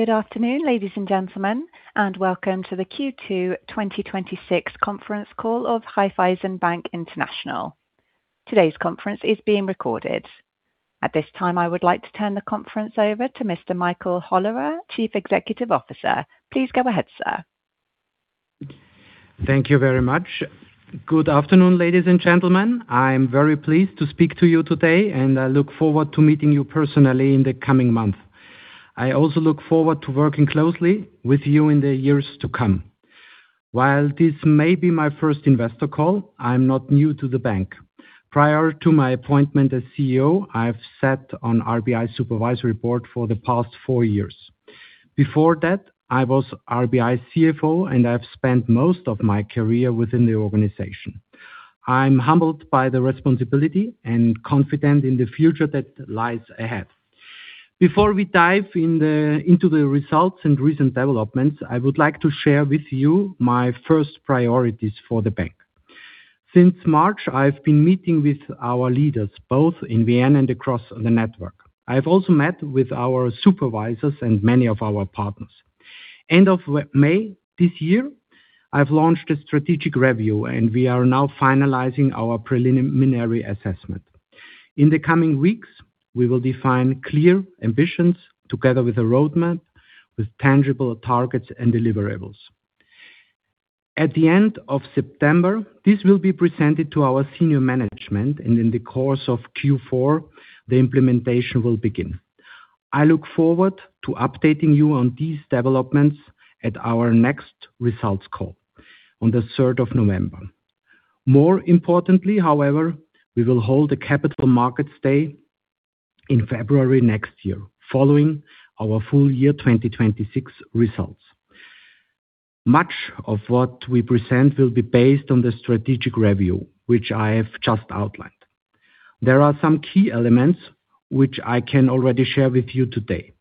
Good afternoon, ladies and gentlemen, welcome to the Q2 2026 conference call of Raiffeisen Bank International. Today's conference is being recorded. At this time, I would like to turn the conference over to Mr. Michael Höllerer, Chief Executive Officer. Please go ahead, sir. Thank you very much. Good afternoon, ladies and gentlemen. I'm very pleased to speak to you today, I look forward to meeting you personally in the coming month. Also look forward to working closely with you in the years to come. While this may be my first investor call, I'm not new to the bank. Prior to my appointment as CEO, I have sat on RBI Supervisory Board for the past four years. Before that, I was RBI CFO, and I've spent most of my career within the organization. I'm humbled by the responsibility and confident in the future that lies ahead. Before we dive into the results and recent developments, I would like to share with you my first priorities for the bank. Since March, I've been meeting with our leaders, both in Vienna and across the network. I've also met with our supervisors and many of our partners. End of May this year, I've launched a strategic review, we are now finalizing our preliminary assessment. In the coming weeks, we will define clear ambitions together with a roadmap with tangible targets and deliverables. At the end of September, this will be presented to our senior management, in the course of Q4, the implementation will begin. I look forward to updating you on these developments at our next results call on the 3rd of November. More importantly, however, we will hold a Capital Markets Day in February next year, following our full year 2026 results. Much of what we present will be based on the strategic review, which I have just outlined. There are some key elements which I can already share with you today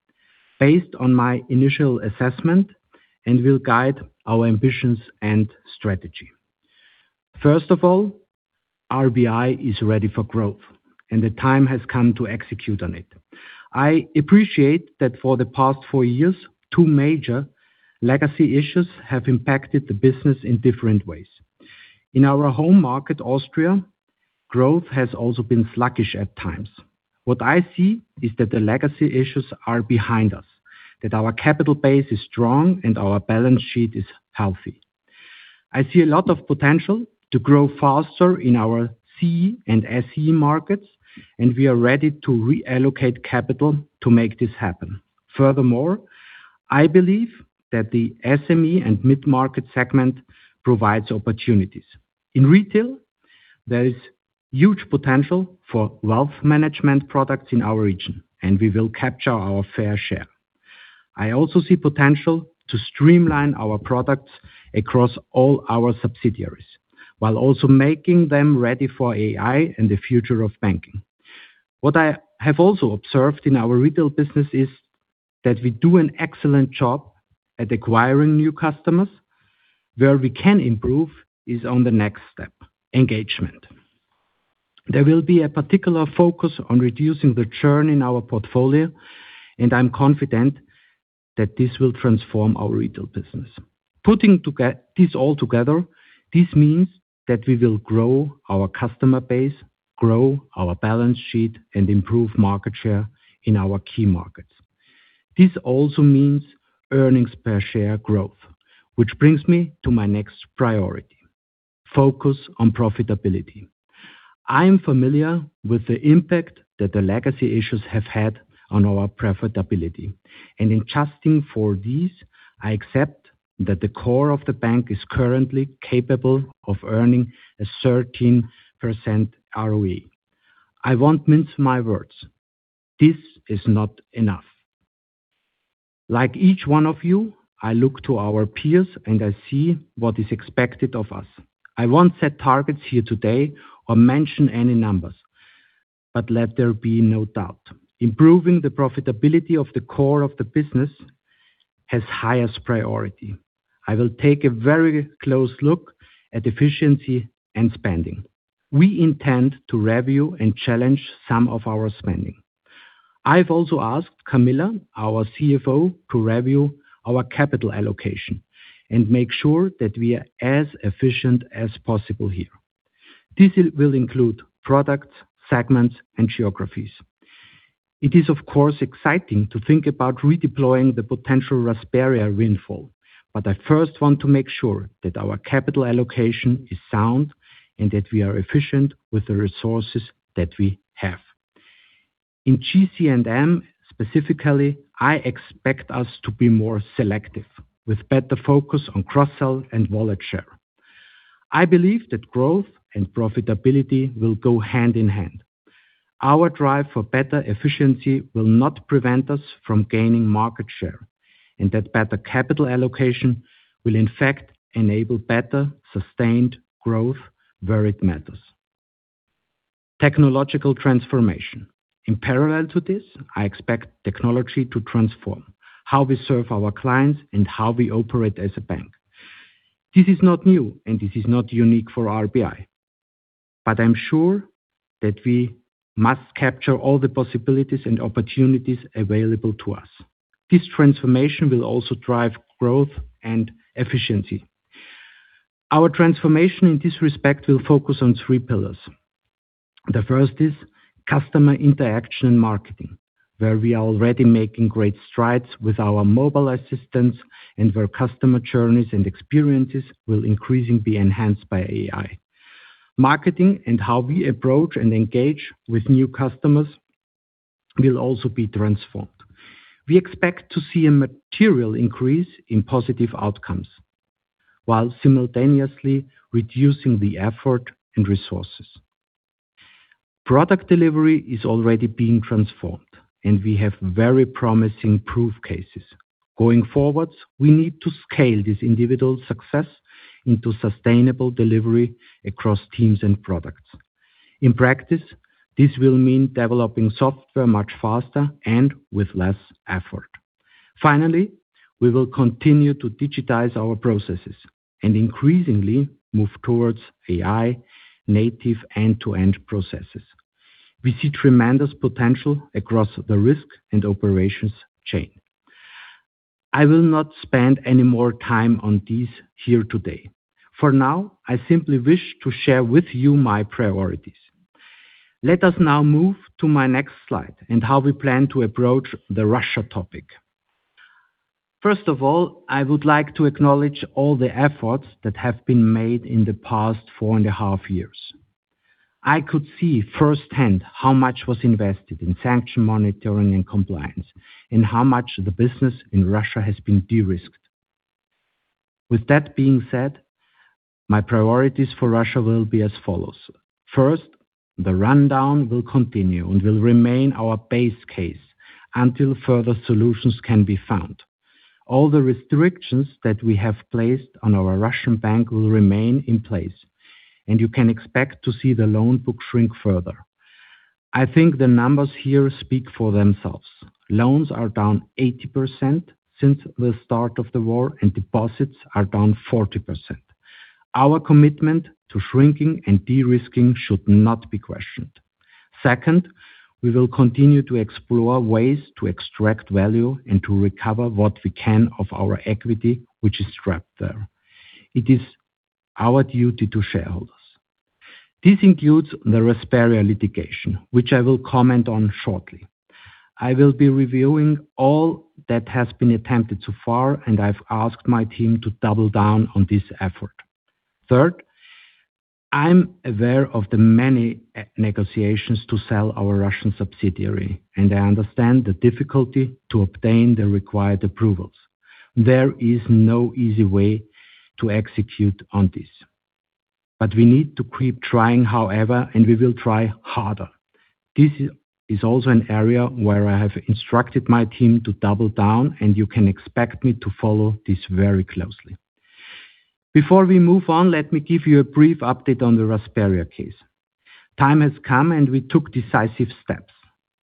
based on my initial assessment and will guide our ambitions and strategy. First of all, RBI is ready for growth, the time has come to execute on it. I appreciate that for the past four years, two major legacy issues have impacted the business in different ways. In our home market, Austria, growth has also been sluggish at times. What I see is that the legacy issues are behind us, that our capital base is strong, our balance sheet is healthy. I see a lot of potential to grow faster in our C and SE markets, and we are ready to reallocate capital to make this happen. Furthermore, I believe that the SME and mid-market segment provides opportunities. In Retail, there is huge potential for wealth management products in our region, and we will capture our fair share. I also see potential to streamline our products across all our subsidiaries, while also making them ready for AI and the future of banking. What I have also observed in our Retail business is that we do an excellent job at acquiring new customers. Where we can improve is on the next step, engagement. There will be a particular focus on reducing the churn in our portfolio, and I'm confident that this will transform our Retail business. Putting this all together, this means that we will grow our customer base, grow our balance sheet, and improve market share in our key markets. This also means earnings per share growth, which brings me to my next priority, focus on profitability. I am familiar with the impact that the legacy issues have had on our profitability, and in adjusting for these, I accept that the core of the bank is currently capable of earning a 13% ROE. I won't mince my words. This is not enough. Like each one of you, I look to our peers, and I see what is expected of us. I won't set targets here today or mention any numbers, but let there be no doubt. Improving the profitability of the core of the business has highest priority. I will take a very close look at efficiency and spending. We intend to review and challenge some of our spending. I've also asked Kamila, our CFO, to review our capital allocation and make sure that we are as efficient as possible here. This will include products, segments, and geographies. It is, of course, exciting to think about redeploying the potential Rasperia windfall, but I first want to make sure that our capital allocation is sound and that we are efficient with the resources that we have. In GC&M specifically, I expect us to be more selective with better focus on cross-sell and wallet share. I believe that growth and profitability will go hand in hand. Our drive for better efficiency will not prevent us from gaining market share, and that better capital allocation will in fact enable better sustained growth where it matters. Technological transformation. In parallel to this, I expect technology to transform how we serve our clients and how we operate as a bank. This is not new, and this is not unique for RBI. I'm sure that we must capture all the possibilities and opportunities available to us. This transformation will also drive growth and efficiency. Our transformation in this respect will focus on three pillars. The first is customer interaction and marketing, where we are already making great strides with our mobile assistance and where customer journeys and experiences will increasingly be enhanced by AI. Marketing and how we approach and engage with new customers will also be transformed. We expect to see a material increase in positive outcomes while simultaneously reducing the effort and resources. Product delivery is already being transformed and we have very promising proof cases. Going forward, we need to scale this individual success into sustainable delivery across teams and products. In practice, this will mean developing software much faster and with less effort. Finally, we will continue to digitize our processes and increasingly move towards AI native end-to-end processes. We see tremendous potential across the risk and operations chain. I will not spend any more time on these here today. For now, I simply wish to share with you my priorities. Let us now move to my next slide and how we plan to approach the Russia topic. First of all, I would like to acknowledge all the efforts that have been made in the past four and a half years. I could see firsthand how much was invested in sanction monitoring and compliance, and how much the business in Russia has been de-risked. With that being said, my priorities for Russia will be as follows. First, the rundown will continue and will remain our base case until further solutions can be found. All the restrictions that we have placed on our Russian bank will remain in place, and you can expect to see the loan book shrink further. I think the numbers here speak for themselves. Loans are down 80% since the start of the war, and deposits are down 40%. Our commitment to shrinking and de-risking should not be questioned. Second, we will continue to explore ways to extract value and to recover what we can of our equity, which is trapped there. It is our duty to shareholders. This includes the Rasperia litigation, which I will comment on shortly. I will be reviewing all that has been attempted so far, and I've asked my team to double down on this effort. Third, I'm aware of the many negotiations to sell our Russian subsidiary, and I understand the difficulty to obtain the required approvals. There is no easy way to execute on this, but we need to keep trying, however, and we will try harder. This is also an area where I have instructed my team to double down. You can expect me to follow this very closely. Before we move on, let me give you a brief update on the Rasperia case. Time has come, and we took decisive steps.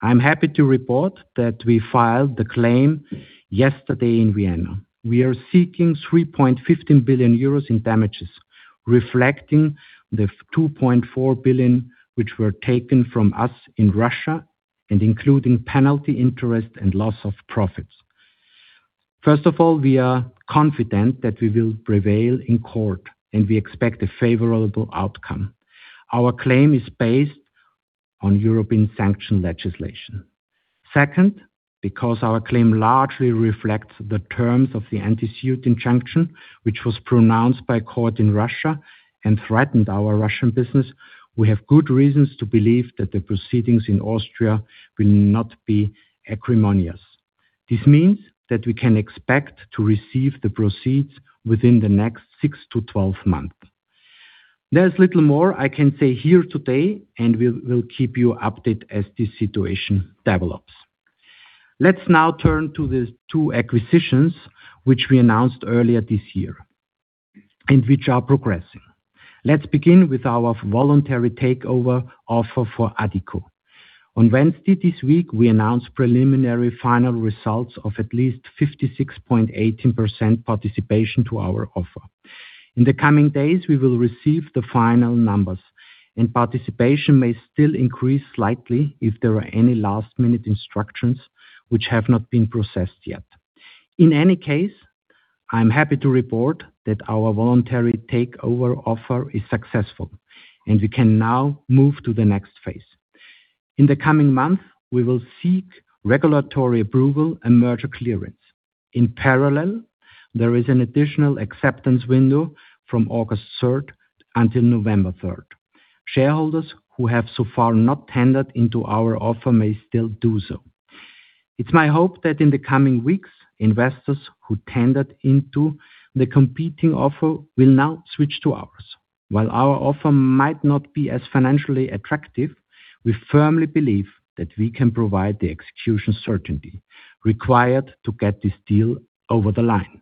I'm happy to report that we filed the claim yesterday in Vienna. We are seeking 3.15 billion euros in damages, reflecting the 2.4 billion which were taken from us in Russia and including penalty interest and loss of profits. First of all, we are confident that we will prevail in court, and we expect a favorable outcome. Our claim is based on European sanction legislation. Second, because our claim largely reflects the terms of the anti-suit injunction, which was pronounced by a court in Russia and threatened our Russian business, we have good reasons to believe that the proceedings in Austria will not be acrimonious. This means that we can expect to receive the proceeds within the next 6-12 months. There's little more I can say here today. We will keep you updated as this situation develops. Let's now turn to the two acquisitions which we announced earlier this year and which are progressing. Let's begin with our voluntary takeover offer for Addiko. On Wednesday this week, we announced preliminary final results of at least 56.18% participation to our offer. In the coming days, we will receive the final numbers, and participation may still increase slightly if there are any last-minute instructions which have not been processed yet. In any case, I'm happy to report that our voluntary takeover offer is successful and we can now move to the next phase. In the coming months, we will seek regulatory approval and merger clearance. In parallel, there is an additional acceptance window from August 3rd until November 3rd. Shareholders who have so far not tendered into our offer may still do so. It's my hope that in the coming weeks, investors who tendered into the competing offer will now switch to ours. While our offer might not be as financially attractive, we firmly believe that we can provide the execution certainty required to get this deal over the line.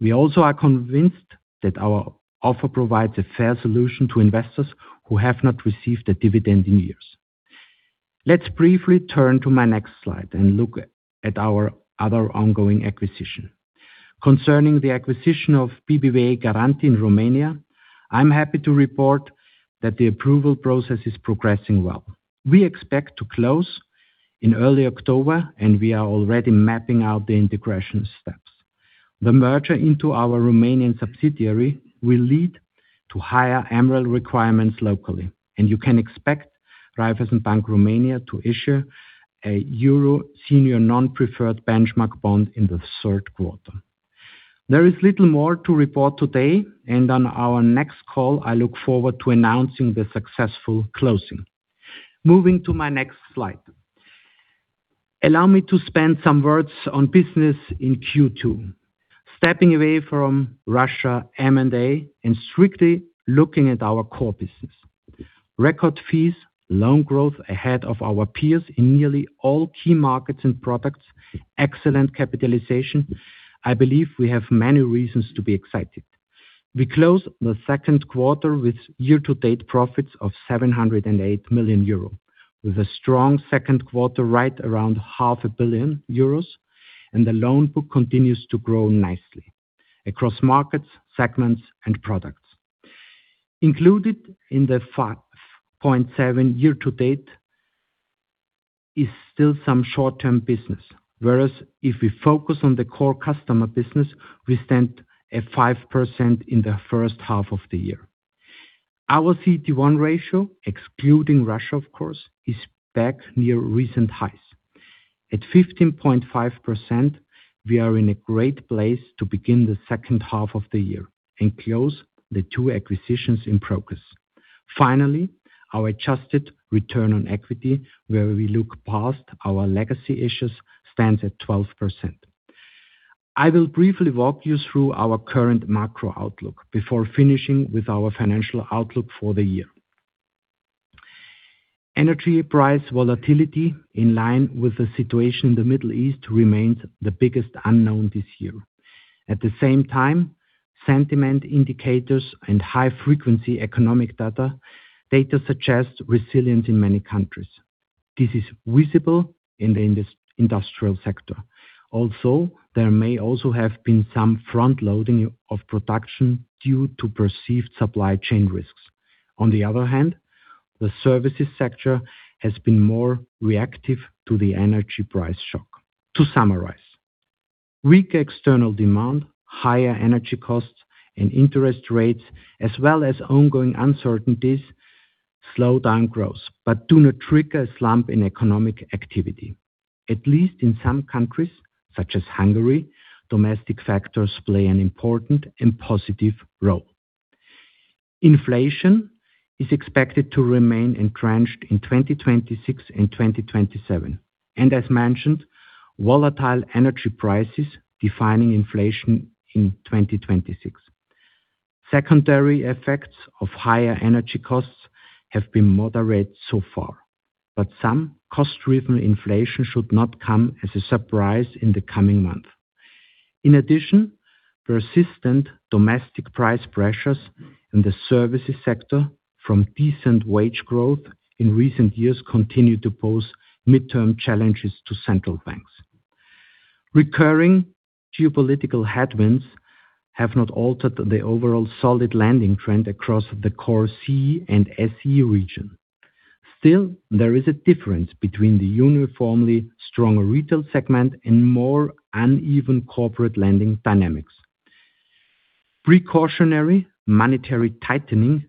We also are convinced that our offer provides a fair solution to investors who have not received a dividend in years. Let's briefly turn to my next slide and look at our other ongoing acquisition. Concerning the acquisition of BBVA Garanti in Romania, I'm happy to report that the approval process is progressing well. We expect to close in early October, and we are already mapping out the integration steps. The merger into our Romanian subsidiary will lead to higher MREL requirements locally, and you can expect Raiffeisen Bank Romania to issue a euro senior non-preferred benchmark bond in the third quarter. There is little more to report today, and on our next call, I look forward to announcing the successful closing. Moving to my next slide. Allow me to spend some words on business in Q2. Stepping away from Russia M&A and strictly looking at our core business. Record fees, loan growth ahead of our peers in nearly all key markets and products, excellent capitalization. I believe we have many reasons to be excited. We close the second quarter with year-to-date profits of 708 million euro, with a strong second quarter right around 500,000,000 euros and the loan book continues to grow nicely across markets, segments, and products. Included in the 5.7% year-to-date is still some short-term business, whereas if we focus on the core customer business, we stand at 5% in the first half of the year. Our CET1 ratio, excluding Russia, of course, is back near recent highs. At 15.5%, we are in a great place to begin the second half of the year and close the two acquisitions in progress. Finally, our adjusted return on equity, where we look past our legacy issues, stands at 12%. I will briefly walk you through our current macro outlook before finishing with our financial outlook for the year. Energy price volatility in line with the situation in the Middle East remains the biggest unknown this year. At the same time, sentiment indicators and high-frequency economic data suggest resilience in many countries. This is visible in the industrial sector. There may also have been some frontloading of production due to perceived supply chain risks. On the other hand, the services sector has been more reactive to the energy price shock. To summarize, weak external demand, higher energy costs and interest rates, as well as ongoing uncertainties, slow down growth but do not trigger a slump in economic activity. At least in some countries, such as Hungary, domestic factors play an important and positive role. Inflation is expected to remain entrenched in 2026 and 2027, and as mentioned, volatile energy prices defining inflation in 2026. Secondary effects of higher energy costs have been moderate so far, but some cost-driven inflation should not come as a surprise in the coming month. In addition, persistent domestic price pressures in the services sector from decent wage growth in recent years continue to pose midterm challenges to central banks. Recurring geopolitical headwinds have not altered the overall solid lending trend across the core CEE and SEE region. Still, there is a difference between the uniformly stronger Retail segment and more uneven corporate lending dynamics. Precautionary monetary tightening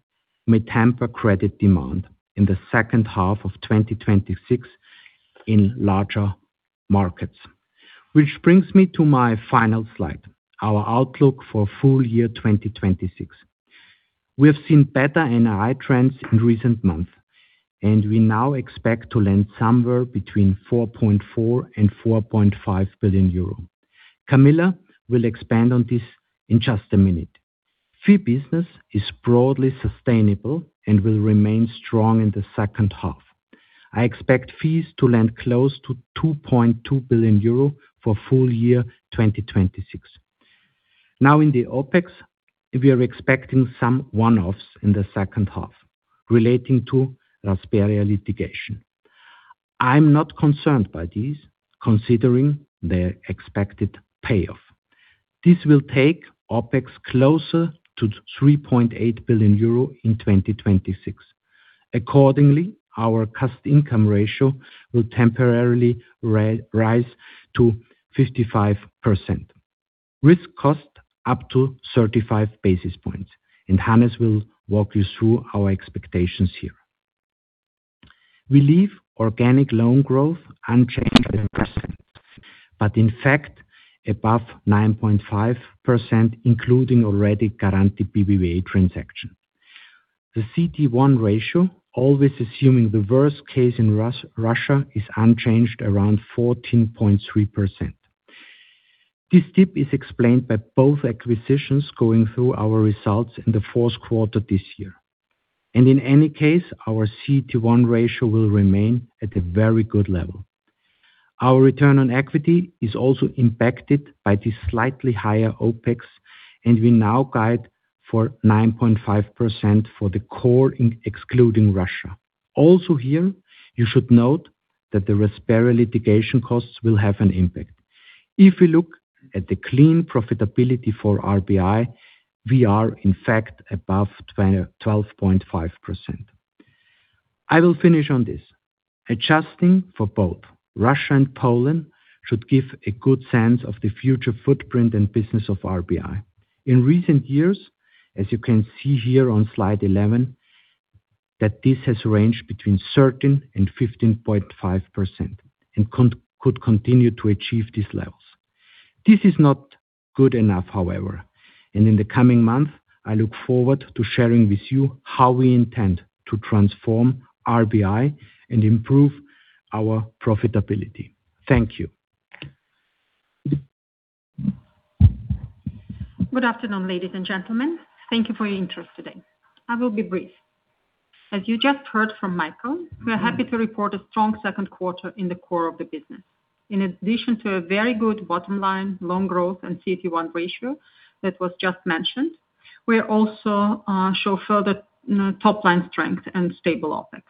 may temper credit demand in the second half of 2026 in larger markets which brings me to my final slide, our outlook for full year 2026. We have seen better NII trends in recent months, we now expect to lend somewhere between 4.4 and 4.5 billion euro. Kamila will expand on this in just a minute. Fee business is broadly sustainable and will remain strong in the second half. I expect fees to lend close to 2.2 billion euro for full year 2026. Now in the OpEx, we are expecting some one-offs in the second half relating to Rasperia litigation. I am not concerned by these considering their expected payoff. This will take OpEx closer to 3.8 billion euro in 2026. Accordingly, our cost-income ratio will temporarily rise to 55%, with cost up to 35 basis points and Hannes will walk you through our expectations here. We leave organic loan growth unchanged at 7%, and in fact above 9.5%, including already Garanti BBVA transaction. The CET1 ratio, always assuming the worst case in Russia, is unchanged around 14.3%. This dip is explained by both acquisitions going through our results in the fourth quarter this year. In any case, our CET1 ratio will remain at a very good level. Our return on equity is also impacted by the slightly higher OpEx, we now guide for 9.5% for the core excluding Russia. Also, here, you should note that the Rasperia litigation costs will have an impact. If we look at the clean profitability for RBI, we are in fact above 12.5%. I will finish on this. Adjusting for both Russia and Poland should give a good sense of the future footprint and business of RBI. In recent years, as you can see here on slide 11, that this has ranged between 13% and 15.5% and could continue to achieve these levels. This is not good enough, however, and in the coming months, I look forward to sharing with you how we intend to transform RBI and improve our profitability. Thank you. Good afternoon, ladies and gentlemen. Thank you for your interest today. I will be brief. As you just heard from Michael, we are happy to report a strong second quarter in the core of the business. In addition to a very good bottom line, loan growth, and CET1 ratio that was just mentioned, we also show further top line strength and stable OpEx.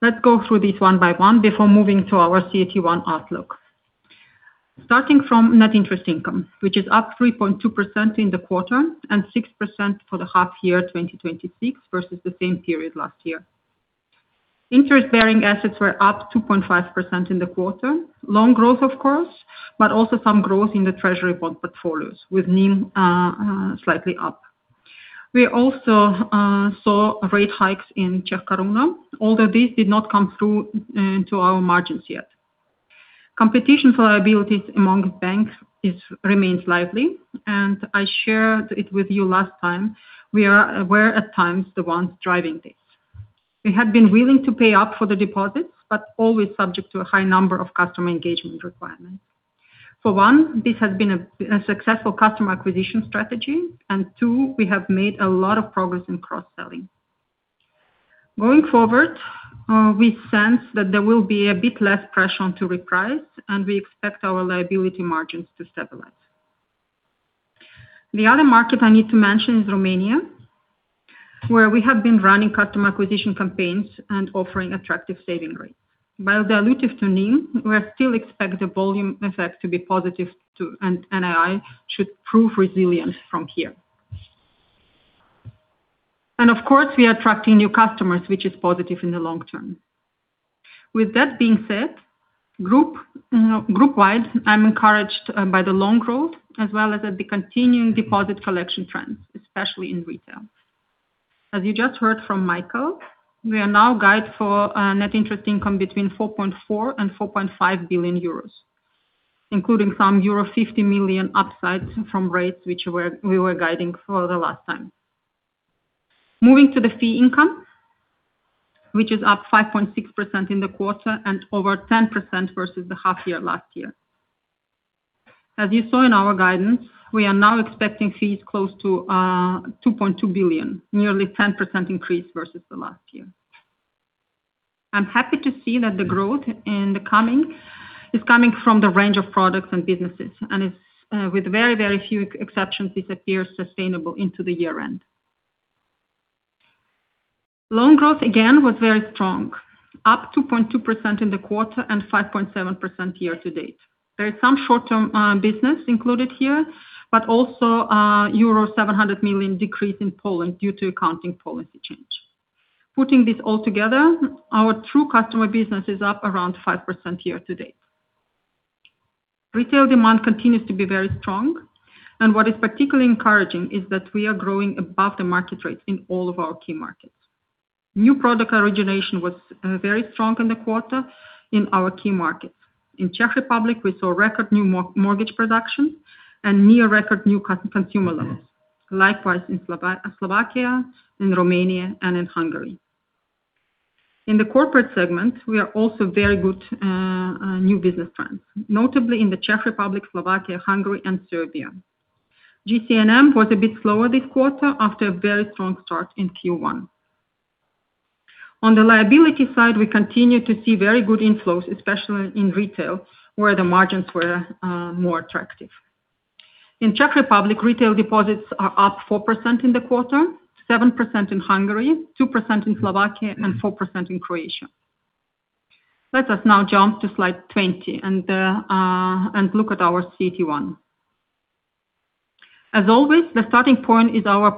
Let's go through these one by one before moving to our CET1 outlook. Starting from net interest income, which is up 3.2% in the quarter and 6% for the half year 2026 versus the same period last year. Interest-bearing assets were up 2.5% in the quarter. Loan growth, of course, but also some growth in the Treasury bond portfolios with NIM slightly up. We also saw rate hikes in Czech koruna, although this did not come through to our margins yet. Competition for liabilities amongst banks remains lively, and I shared it with you last time, we are aware at times the ones driving this. We have been willing to pay up for the deposits, but always subject to a high number of customer engagement requirements. For one, this has been a successful customer acquisition strategy, and two, we have made a lot of progress in cross-selling. Going forward, we sense that there will be a bit less pressure to reprice, and we expect our liability margins to stabilize. The other market I need to mention is Romania, where we have been running customer acquisition campaigns and offering attractive saving rates. While dilutive to NIM, we still expect the volume effect to be positive too, and NII should prove resilience from here. Of course, we are attracting new customers, which is positive in the long term. With that being said, group-wide, I'm encouraged by the loan growth as well as the continuing deposit collection trends, especially in Retail. As you just heard from Michael, we are now guide for net interest income between 4.4 billion and 4.5 billion euros, including some euro 50 million upsides from rates, which we were guiding for the last time. Moving to the fee income, which is up 5.6% in the quarter and over 10% versus the half year last year. As you saw in our guidance, we are now expecting fees close to 2.2 billion, nearly 10% increase versus the last year. I'm happy to see that the growth is coming from the range of products and businesses, and with very few exceptions, this appears sustainable into the year-end. Loan growth, again, was very strong, up 2.2% in the quarter and 5.7% year-to-date. There is some short-term business included here, but also euro 700 million decrease in Poland due to accounting policy change. Putting this all together, our true customer business is up around 5% year-to-date. Retail demand continues to be very strong, and what is particularly encouraging is that we are growing above the market rate in all of our key markets. New product origination was very strong in the quarter in our key markets. In Czech Republic, we saw record new mortgage production and near record new consumer loans. Likewise, in Slovakia, in Romania, and in Hungary. In the Corporate segment, we are also very good new business trends, notably in the Czech Republic, Slovakia, Hungary, and Serbia. GC&M was a bit slower this quarter after a very strong start in Q1. On the liability side, we continue to see very good inflows, especially in Retail, where the margins were more attractive. In Czech Republic, retail deposits are up 4% in the quarter, 7% in Hungary, 2% in Slovakia, and 4% in Croatia. Let us now jump to slide 20 and look at our CET1. As always, the starting point is our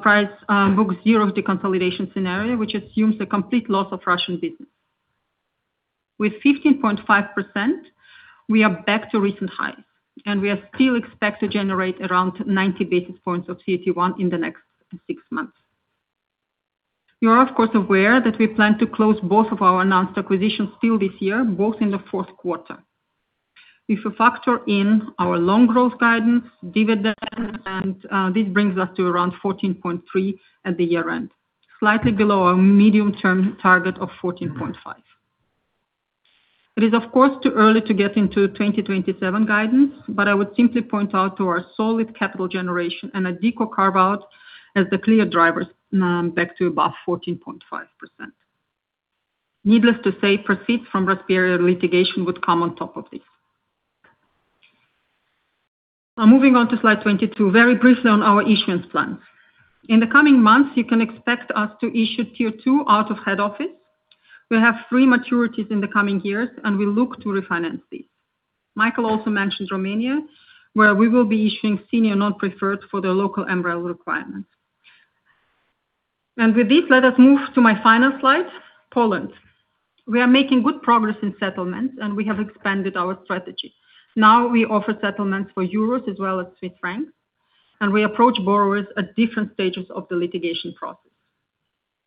price book zero deconsolidation scenario, which assumes the complete loss of Russian business. With 15.5%, we are back to recent highs, and we still expect to generate around 90 basis points of CET1 in the next six months. You are, of course, aware that we plan to close both of our announced acquisitions still this year, both in the fourth quarter. If we factor in our loan growth guidance, dividend, and this brings us to around 14.3% at the year-end, slightly below our medium-term target of 14.5%. It is, of course, too early to get into 2027 guidance, but I would simply point out to our solid capital generation and Addiko carve-out as the clear drivers back to above 14.5%. Needless to say, proceeds from Rasperia litigation would come on top of this. Now moving on to slide 22, very briefly on our issuance plans. In the coming months, you can expect us to issue q2 out of head office. We have three maturities in the coming years, and we look to refinance these. Michael also mentioned Romania, where we will be issuing senior non-preferred for the local umbrella requirements. With this, let us move to my final slide, Poland. We are making good progress in settlements, and we have expanded our strategy. Now we offer settlements for euros as well as Swiss francs, and we approach borrowers at different stages of the litigation process.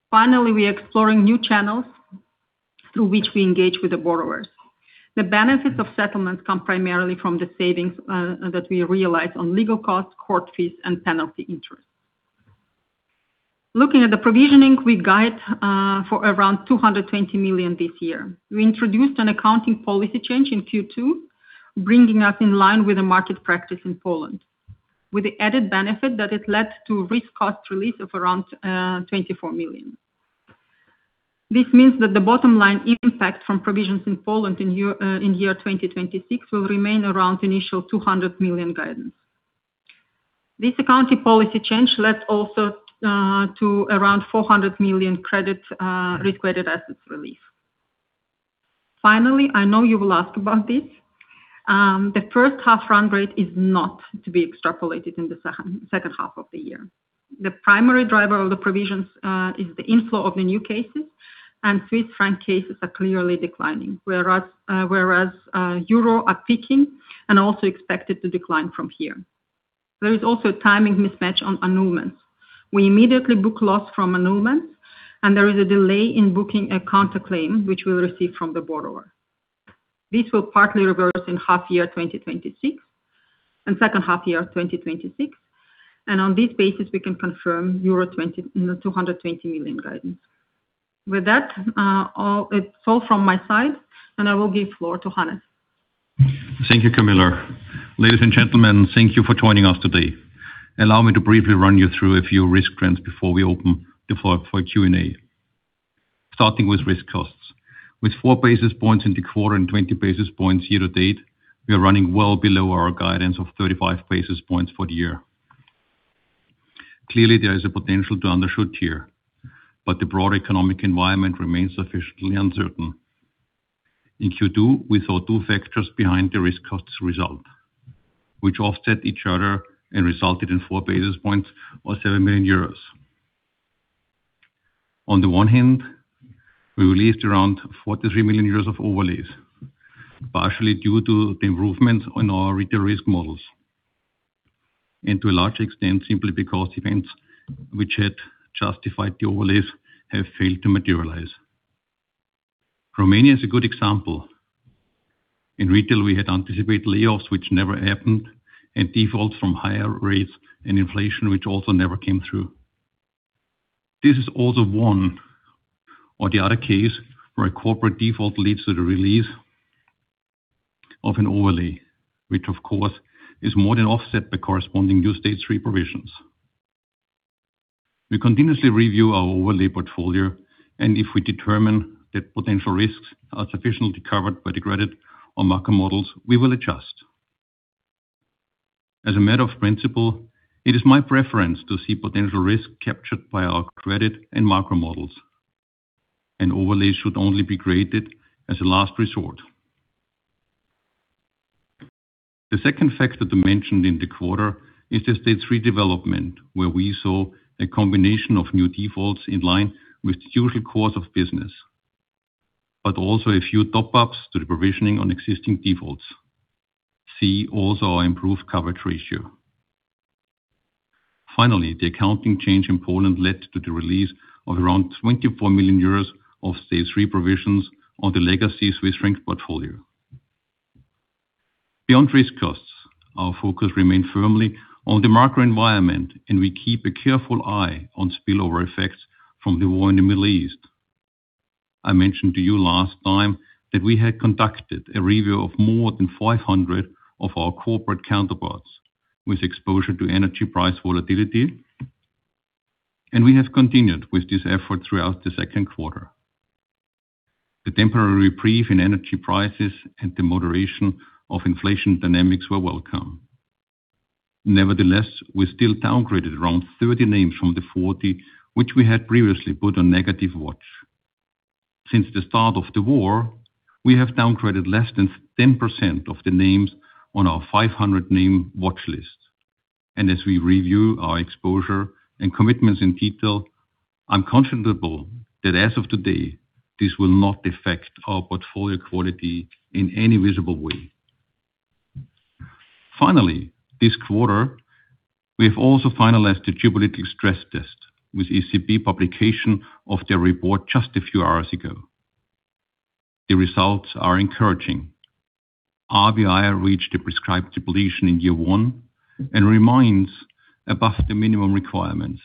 Finally, we are exploring new channels through which we engage with the borrowers. The benefits of settlements come primarily from the savings that we realize on legal costs, court fees, and penalty interest. Looking at the provisioning, we guide for around 220 million this year. We introduced an accounting policy change in T2, bringing us in line with the market practice in Poland, with the added benefit that it led to risk cost release of around 24 million. This means that the bottom line impact from provisions in Poland in year 2026 will remain around initial 200 million guidance. This accounting policy change led also to around 400 million risk-weighted assets relief. Finally, I know you will ask about this. The first half run rate is not to be extrapolated in the second half of the year. The primary driver of the provisions is the inflow of the new cases, and Swiss franc cases are clearly declining, whereas euro are peaking and also expected to decline from here. There is also a timing mismatch on annulments. We immediately book loss from annulments, and there is a delay in booking a counterclaim, which we receive from the borrower. This will partly reverse in half year 2026, and second half year 2026. On this basis, we can confirm 220 million guidance. With that, it's all from my side, and I will give floor to Hannes. Thank you, Kamila. Ladies and gentlemen, thank you for joining us today. Allow me to briefly run you through a few risk trends before we open the floor for Q&A. Starting with risk costs. With 4 basis points in the quarter and 20 basis points year-to-date, we are running well below our guidance of 35 basis points for the year. Clearly, there is a potential to undershoot here, but the broader economic environment remains officially uncertain. In Q2, we saw two factors behind the risk costs result, which offset each other and resulted in 4 basis points or 7 million euros. On the one hand, we released around 43 million euros of overlays, partially due to the improvements in our retail risk models, and to a large extent, simply because events which had justified the overlays have failed to materialize. Romania is a good example. In Retail, we had anticipated layoffs which never happened, and defaults from higher rates and inflation, which also never came through. This is also one or the other case where a corporate default leads to the release of an overlay, which of course is more than offset by corresponding new Stage 3 provisions. We continuously review our overlay portfolio, and if we determine that potential risks are sufficiently covered by the credit or macro models, we will adjust. As a matter of principle, it is my preference to see potential risks captured by our credit and macro models, and overlays should only be created as a last resort. The second factor mentioned in the quarter is the Stage 3 development, where we saw a combination of new defaults in line with the usual course of business but also a few top-ups to the provisioning on existing defaults. See also our improved coverage ratio. Finally, the accounting change in Poland led to the release of around 24 million euros of Stage 3 provisions on the legacy Swiss franc portfolio. Beyond risk costs, our focus remains firmly on the macro environment and we keep a careful eye on spillover effects from the war in the Middle East. I mentioned to you last time that we had conducted a review of more than 500 of our corporate counterparts with exposure to energy price volatility. We have continued with this effort throughout the second quarter. The temporary reprieve in energy prices and the moderation of inflation dynamics were welcome. Nevertheless, we still downgraded around 30 names from the 40, which we had previously put on negative watch. Since the start of the war, we have downgraded less than 10% of the names on our 500-name watch list. As we review our exposure and commitments in detail, I'm comfortable that as of today, this will not affect our portfolio quality in any visible way. Finally, this quarter, we have also finalized the biennial stress test with ECB publication of their report just a few hours ago. The results are encouraging. RBI reached the prescribed depletion in year one and remains above the minimum requirements.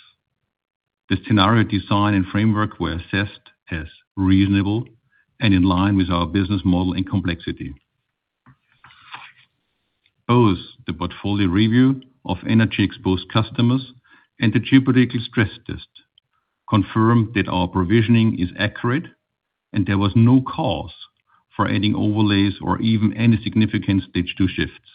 The scenario design and framework were assessed as reasonable and in line with our business model and complexity. Both the portfolio review of energy exposed customers and the biennial stress test confirm that our provisioning is accurate. There was no cause for adding overlays or even any significant Stage 2 shifts.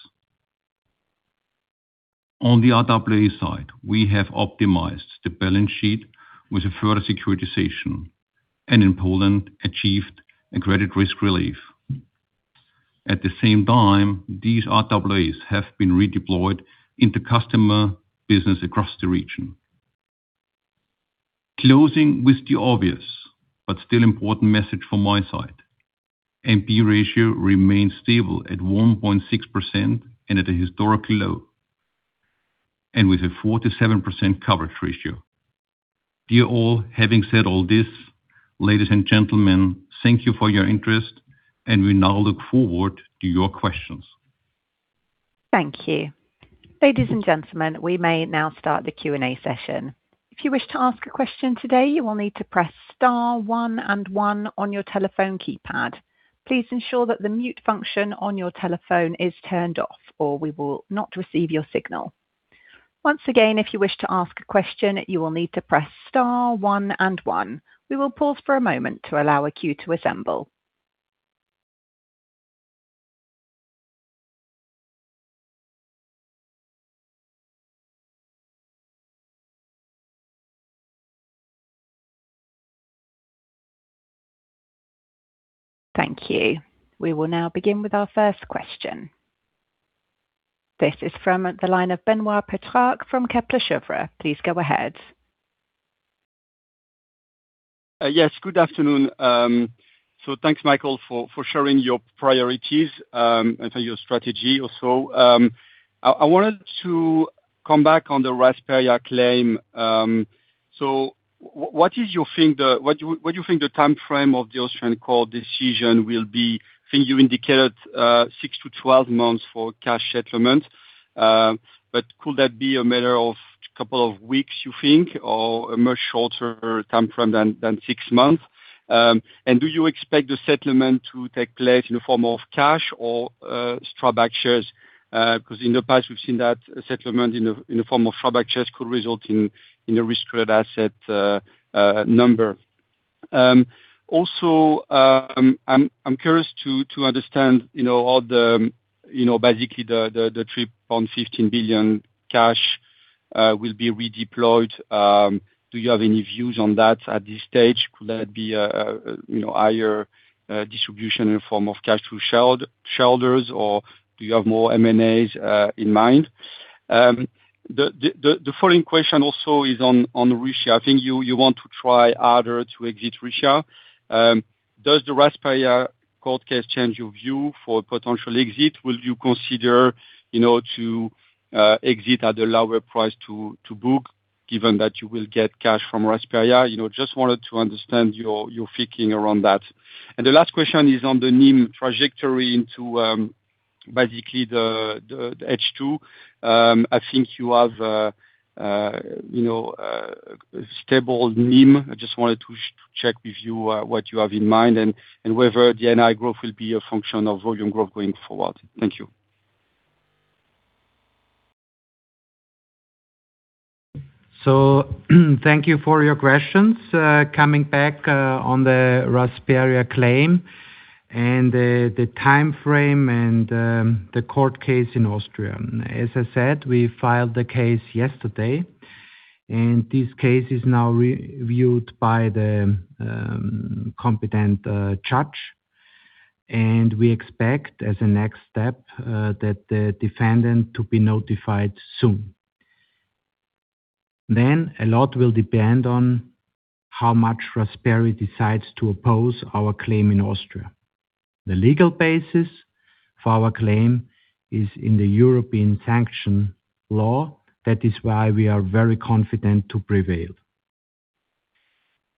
On the RWA side, we have optimized the balance sheet with a further securitization, and in Poland achieved a credit risk relief. At the same time, these RWAs have been redeployed into customer business across the region. Closing with the obvious, but still important message from my side. NPE ratio remains stable at 1.6% and at a historically low. With a 47% coverage ratio. Dear all, having said all this, ladies and gentlemen, thank you for your interest, and we now look forward to your questions. Thank you. Ladies and gentlemen, we may now start the Q&A session. If you wish to ask a question today, you will need to press star one and one on your telephone keypad. Please ensure that the mute function on your telephone is turned off, or we will not receive your signal. Once again, if you wish to ask a question, you will need to press star one and one. We will pause for a moment to allow a queue to assemble. Thank you. We will now begin with our first question. This is from the line of Benoît Pétrarque from Kepler Cheuvreux. Please go ahead. Yes, good afternoon. Thanks, Michael, for sharing your priorities and for your strategy also. I wanted to come back on the Rasperia claim. What do you think the timeframe of the Austrian court decision will be? I think you indicated 6-12 months for cash settlement. Could that be a matter of couple of weeks, you think, or a much shorter timeframe than six months? Do you expect the settlement to take place in the form of cash or Strabag shares? Because in the past, we have seen that settlement in the form of Strabag shares could result in a restricted asset number. Also. I am curious to understand how basically the 3.15 billion cash will be redeployed. Do you have any views on that at this stage? Could that be a higher distribution in the form of cash to shareholders, or do you have more M&As in mind? The following question also is on Russia. I think you want to try harder to exit Russia. Does the Rasperia court case change your view for potential exit? Will you consider to exit at a lower price to book, given that you will get cash from Rasperia? Just wanted to understand your thinking around that. The last question is on the NIM trajectory into basically the H2. I think you have a stable NIM. I just wanted to check with you what you have in mind and whether the NII growth will be a function of volume growth going forward. Thank you. Thank you for your questions. Coming back on the Rasperia claim and the timeframe and the court case in Austria. As I said, we filed the case yesterday. This case is now reviewed by the competent judge, and we expect as a next step that the defendant to be notified soon. A lot will depend on how much Rasperia decides to oppose our claim in Austria. The legal basis for our claim is in the European sanction legislation. That is why we are very confident to prevail.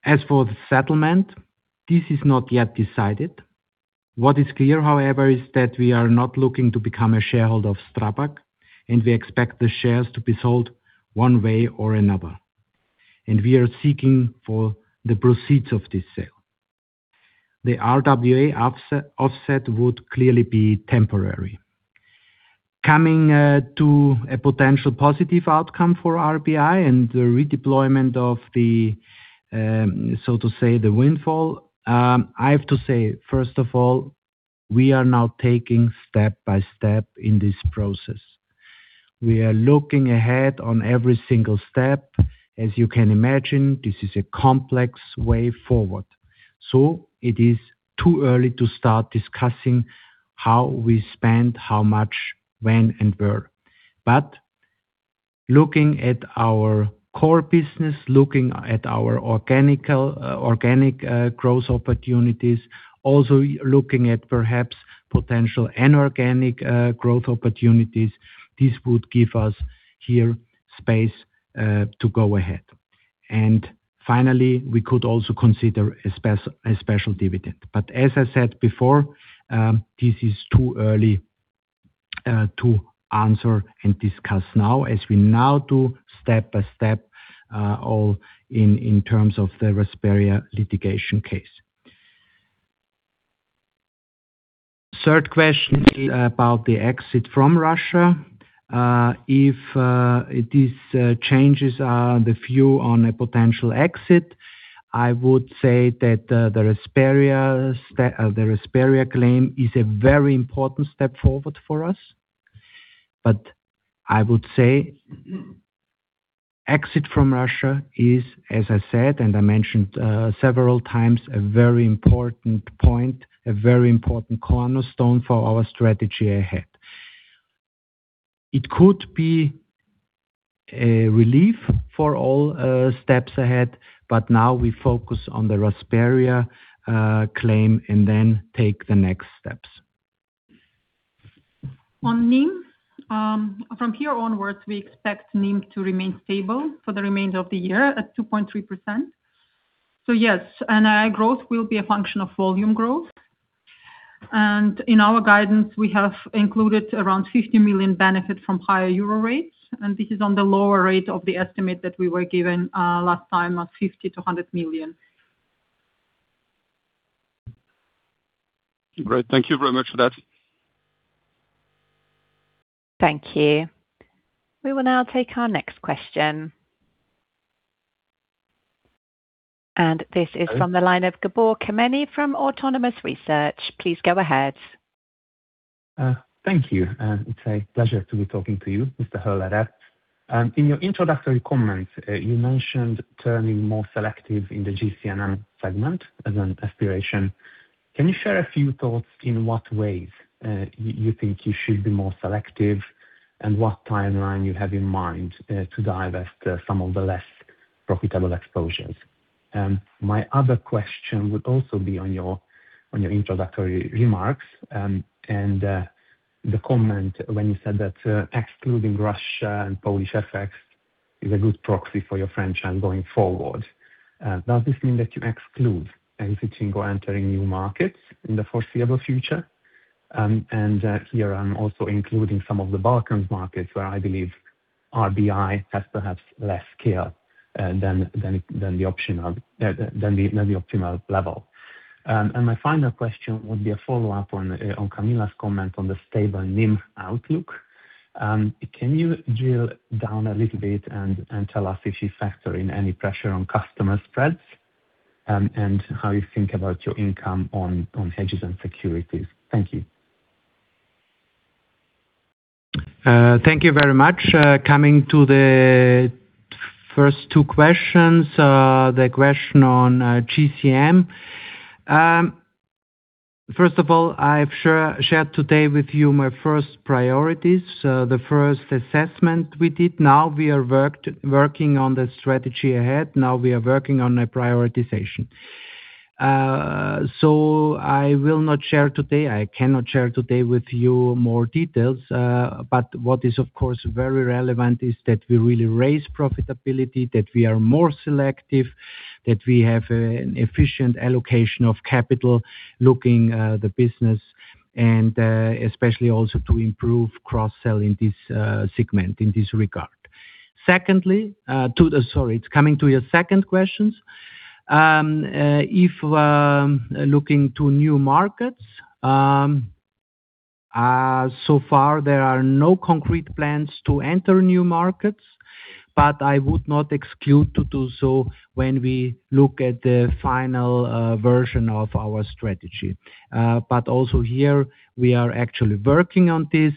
As for the settlement, this is not yet decided. What is clear, however, is that we are not looking to become a shareholder of Strabag, and we expect the shares to be sold one way or another. We are seeking for the proceeds of this sale. The RWA offset would clearly be temporary. Coming to a potential positive outcome for RBI and the redeployment of the, so to say, the windfall, I have to say, first of all, we are now taking step by step in this process. We are looking ahead on every single step. As you can imagine, this is a complex way forward. It is too early to start discussing how we spend how much, when, and where. Looking at our core business, looking at our organic growth opportunities, also looking at perhaps potential inorganic growth opportunities, this would give us here space to go ahead. Finally, we could also consider a special dividend. As I said before, this is too early to answer and discuss now as we now do step by step all in terms of the Rasperia litigation case. Third question is about the exit from Russia. If these changes are the view on a potential exit, I would say that the Rasperia claim is a very important step forward for us. I would say exit from Russia is, as I said, and I mentioned several times, a very important point, a very important cornerstone for our strategy ahead. It could be a relief for all steps ahead, but now we focus on the Rasperia claim and then take the next steps. On NIM, from here onwards, we expect NIM to remain stable for the remainder of the year at 2.3%. Yes, NII growth will be a function of volume growth. In our guidance, we have included around 50 million benefit from higher euro rates, and this is on the lower rate of the estimate that we were given last time of 50 million-100 million. Great. Thank you very much for that. Thank you. We will now take our next question. This is from the line of Gabor Kemeny from Autonomous Research. Please go ahead. Thank you. It's a pleasure to be talking to you, Mr. Höllerer. In your introductory comments, you mentioned turning more selective in the GC&M segment as an aspiration. Can you share a few thoughts in what ways you think you should be more selective and what timeline you have in mind to divest some of the less profitable exposures? My other question would also be on your introductory remarks and the comment when you said that excluding Russia and Polish FX is a good proxy for your franchise going forward. Does this mean that you exclude exiting or entering new markets in the foreseeable future? Here I'm also including some of the Balkans markets where I believe RBI has perhaps less scale than the optimal level. My final question would be a follow-up on Kamila's comment on the stable NIM outlook. Can you drill down a little bit and tell us if you factor in any pressure on customer spreads and how you think about your income on hedges and securities? Thank you. Thank you very much. Coming to the first two questions, the question on GC&M. First of all, I've shared today with you my first priorities, the first assessment we did. We are working on the strategy ahead. We are working on a prioritization. I will not share today, I cannot share today with you more details. What is of course very relevant is that we really raise profitability, that we are more selective, that we have an efficient allocation of capital, looking the business, and especially also to improve cross-sell in this segment, in this regard. Secondly, sorry, it's coming to your second questions. If looking to new markets, so far there are no concrete plans to enter new markets, I would not exclude to do so when we look at the final version of our strategy. Also here we are actually working on this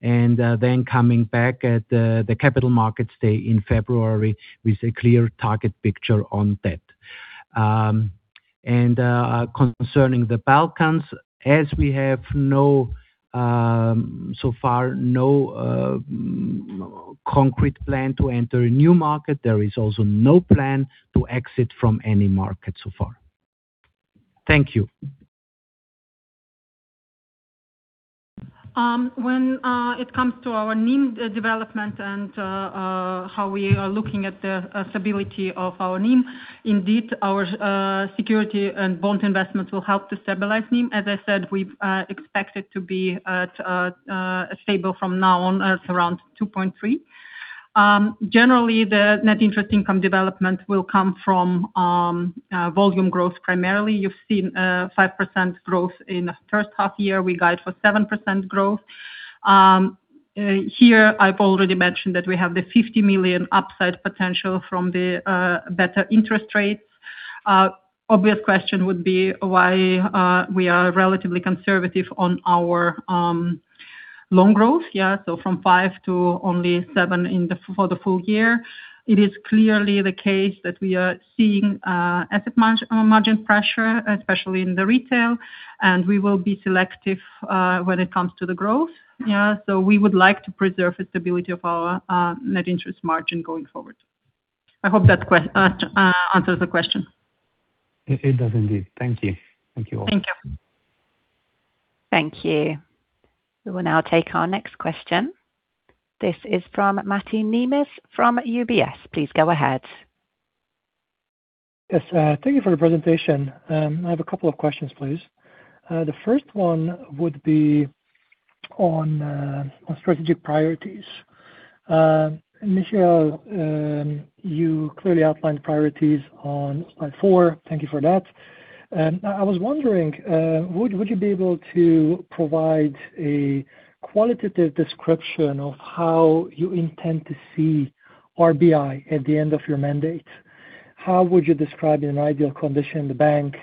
and then coming back at the Capital Markets Day in February with a clear target picture on that. Concerning the Balkans, as we have so far no concrete plan to enter a new market, there is also no plan to exit from any market so far. Thank you. When it comes to our NIM development and how we are looking at the stability of our NIM, indeed, our security and bond investments will help to stabilize NIM. As I said, we expect it to be stable from now on at around 2.3%. Generally, the net interest income development will come from volume growth primarily. You've seen 5% growth in the first half year. We guide for 7% growth. Here I've already mentioned that we have the 50 million upside potential from the better interest rates. Obvious question would be why we are relatively conservative on our loan growth from 5% to only 7% for the full year. It is clearly the case that we are seeing asset margin pressure, especially in the Retail, and we will be selective when it comes to the growth. We would like to preserve the stability of our net interest margin going forward. I hope that answers the question. It does indeed. Thank you. Thank you all. Thank you. Thank you. We will now take our next question. This is from Máté Nemes from UBS. Please go ahead. Yes. Thank you for the presentation. I have a couple of questions, please. The first one would be on strategic priorities. Michael, you clearly outlined priorities on slide four. Thank you for that. I was wondering, would you be able to provide a qualitative description of how you intend to see RBI at the end of your mandate? How would you describe, in an ideal condition, the bank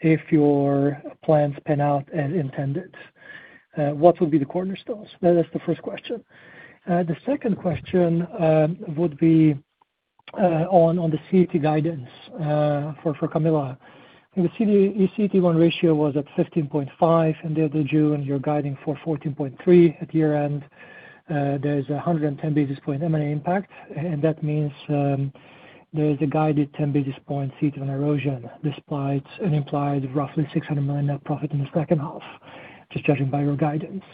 if your plans pan out as intended? What would be the cornerstones? That's the first question. The second question would be on the CET1 guidance for Kamila. The CET1 ratio was at 15.5 at the end of June. You're guiding for 14.3 at year-end. There is 110 basis point M&A impact, and that means there is a guided 10 basis point CET1 erosion, despite an implied roughly 600 million net profit in the second half, just judging by your guidance.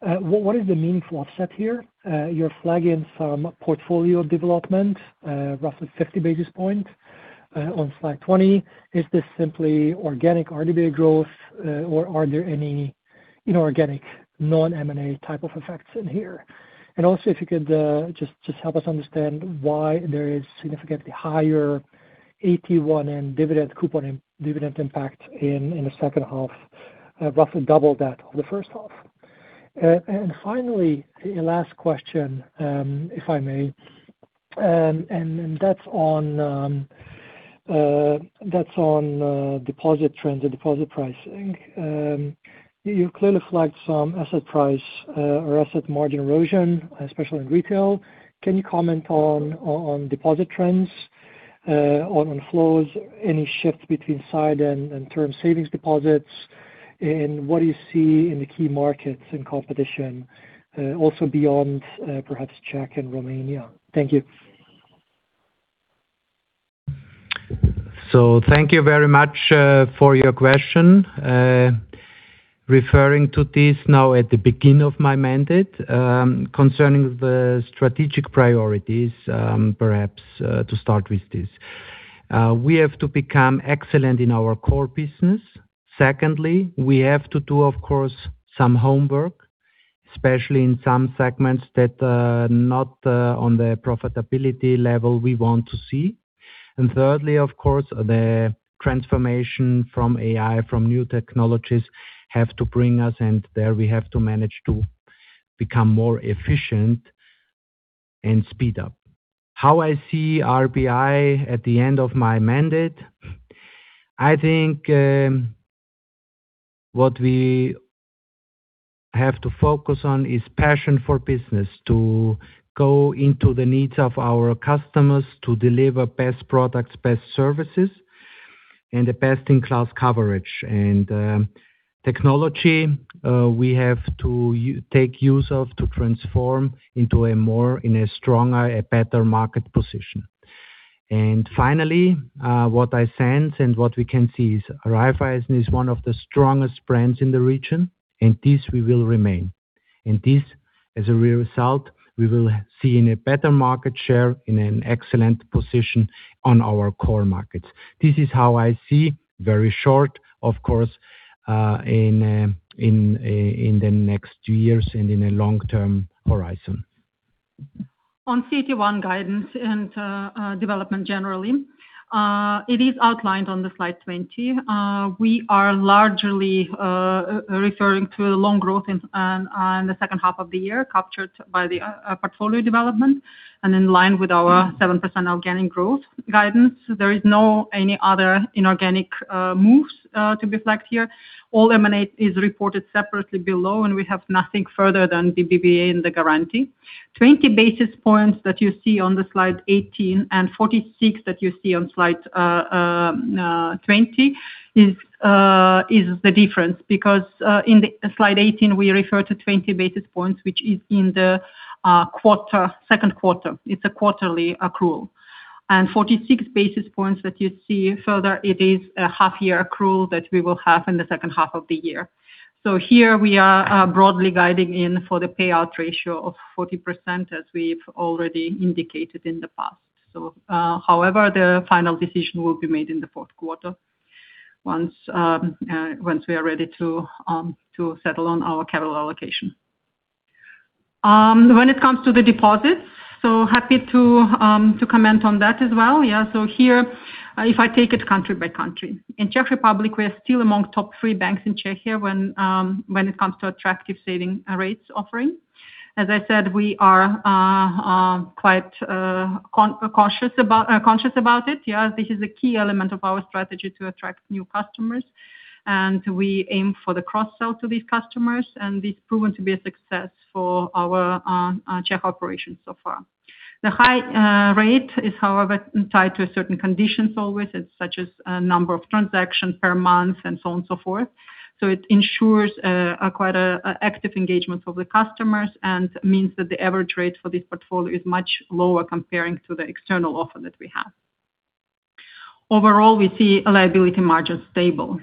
What is the meaningful offset here? You're flagging some portfolio development, roughly 50 basis point on slide 20. Is this simply organic RWA growth or are there any inorganic non-M&A type of effects in here? Also, if you could just help us understand why there is significantly higher AT1 and dividend coupon and dividend impact in the second half, roughly double that of the first half. Finally, a last question, if I may, and that's on deposit trends and deposit pricing. You clearly flagged some asset price or asset margin erosion, especially in Retail. Can you comment on deposit trends, on flows, any shifts between side and term savings deposits and what do you see in the key markets in competition, also beyond perhaps Czech and Romania? Thank you. Thank you very much for your question. Referring to this now at the beginning of my mandate, concerning the strategic priorities, perhaps to start with this. We have to become excellent in our core business. Secondly, we have to do, of course, some homework, especially in some segments that are not on the profitability level we want to see. Thirdly, of course, the transformation from AI, from new technologies have to bring us, and there we have to manage to become more efficient and speed up. How I see RBI at the end of my mandate, I think what we have to focus on is passion for business, to go into the needs of our customers, to deliver best products, best services, and the best-in-class coverage. Technology we have to take use of to transform into a more, in a stronger, a better market position. Finally, what I sense and what we can see is Raiffeisen is one of the strongest brands in the region, and this we will remain. This, as a result, we will see in a better market share in an excellent position on our core markets. This is how I see, very short, of course, in the next years and in a long-term horizon. On CET1 guidance and development generally, it is outlined on the slide 20. We are largely referring to the loan growth on the second half of the year captured by the portfolio development and in line with our 7% organic growth guidance. There is no any other inorganic moves to reflect here. All M&A is reported separately below, and we have nothing further than BBVA in the Garanti. 20 basis points that you see on the slide 18 and 46 that you see on slide 20 is the difference because in the slide 18, we refer to 20 basis points, which is in the second quarter. It's a quarterly accrual. 46 basis points that you see further, it is a half-year accrual that we will have in the second half of the year. Here we are broadly guiding in for the payout ratio of 40%, as we've already indicated in the past. However, the final decision will be made in the fourth quarter once we are ready to settle on our capital allocation. When it comes to the deposits, happy to comment on that as well. Here, if I take it country by country. In Czech Republic, we are still among top three banks in Czechia when it comes to attractive saving rates offering. As I said, we are quite conscious about it. This is a key element of our strategy to attract new customers, and we aim for the cross-sell to these customers, and it's proven to be a success for our Czech operations so far. The high rate is, however, tied to certain conditions always, such as number of transactions per month and so on and so forth. It ensures quite active engagement of the customers and means that the average rate for this portfolio is much lower comparing to the external offer that we have. Overall, we see liability margins stable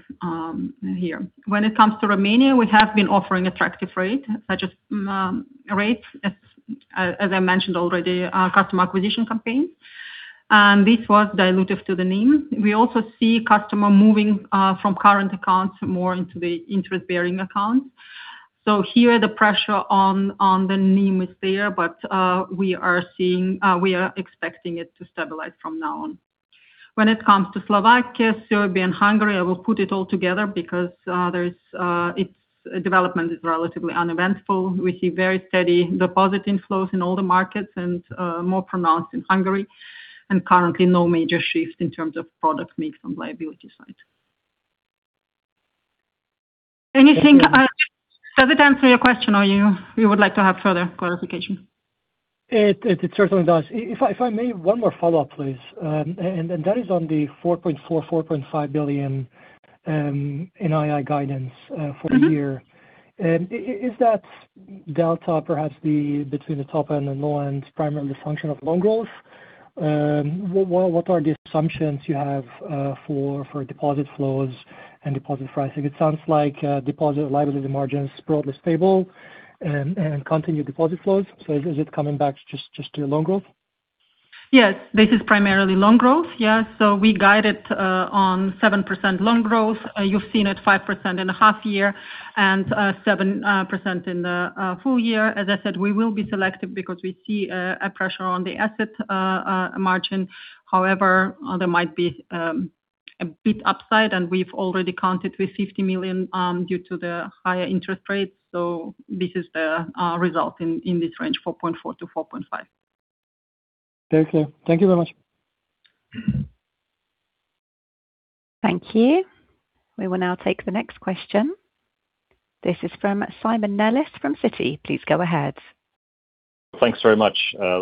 here. When it comes to Romania, we have been offering attractive rate, as I mentioned already, our customer acquisition campaign. This was dilutive to the NIM. We also see customer moving from current accounts more into the interest-bearing accounts. Here, the pressure on the NIM is there, but we are expecting it to stabilize from now on. When it comes to Slovakia, Serbia, and Hungary, I will put it all together because its development is relatively uneventful. We see very steady deposit inflows in all the markets and more pronounced in Hungary, and currently no major shifts in terms of product mix on liability side. Does it answer your question, or you would like to have further clarification? It certainly does. If I may, one more follow-up, please. That is on the 4.4 billion-4.5 billion NII guidance for the year. Is that delta perhaps between the top end and low end primarily function of loan growth? What are the assumptions you have for deposit flows and deposit pricing? It sounds like deposit liability margins broadly stable and continued deposit flows. Is it coming back just to loan growth? Yes, this is primarily loan growth. We guided on 7% loan growth. You've seen it 5% in a half year and 7% in the full year. As I said, we will be selective because we see a pressure on the asset margin. However, there might be a bit upside, and we've already counted with 50 million due to the higher interest rates. This is the result in this range, 4.4%-4.5%. Thank you very much. Thank you. We will now take the next question. This is from Simon Nellis from Citi. Please go ahead. Thanks very much.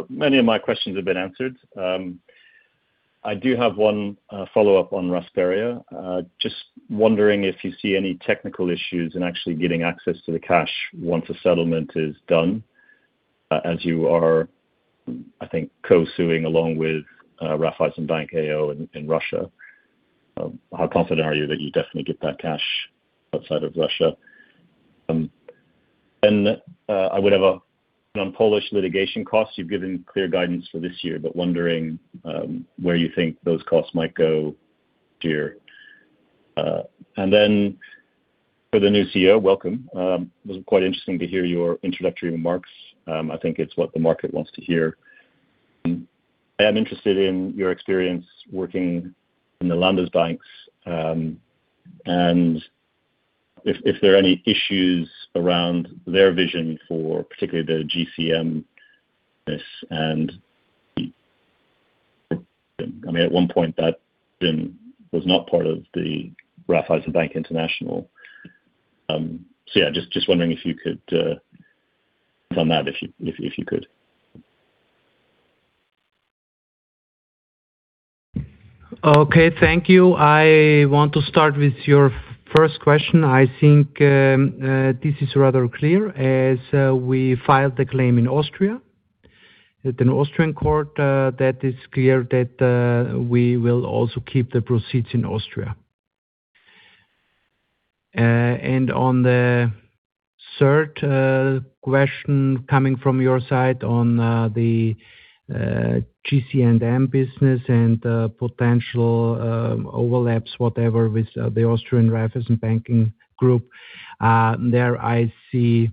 Many of my questions have been answered. I do have one follow-up on Rasperia. Just wondering if you see any technical issues in actually getting access to the cash once a settlement is done, as you are, I think, co-suing along with Raiffeisen Bank AO in Russia. How confident are you that you definitely get that cash outside of Russia? I would have a non-Polish litigation cost. You've given clear guidance for this year, wondering where you think those costs might go here. For the new CEO, welcome. It was quite interesting to hear your introductory remarks. I think it's what the market wants to hear. I am interested in your experience working in the Landesbanken, and if there are any issues around their vision for particularly the GC&M business. At one point that was not part of Raiffeisen Bank International. Yeah, just wondering if you could touch on that. Okay, thank you. I want to start with your first question. I think this is rather clear, as we filed the claim in Austria, at an Austrian court, that is clear that we will also keep the proceeds in Austria. On the third question coming from your side on the GC&M business and potential overlaps, whatever, with the Austrian Raiffeisen Banking Group, there I see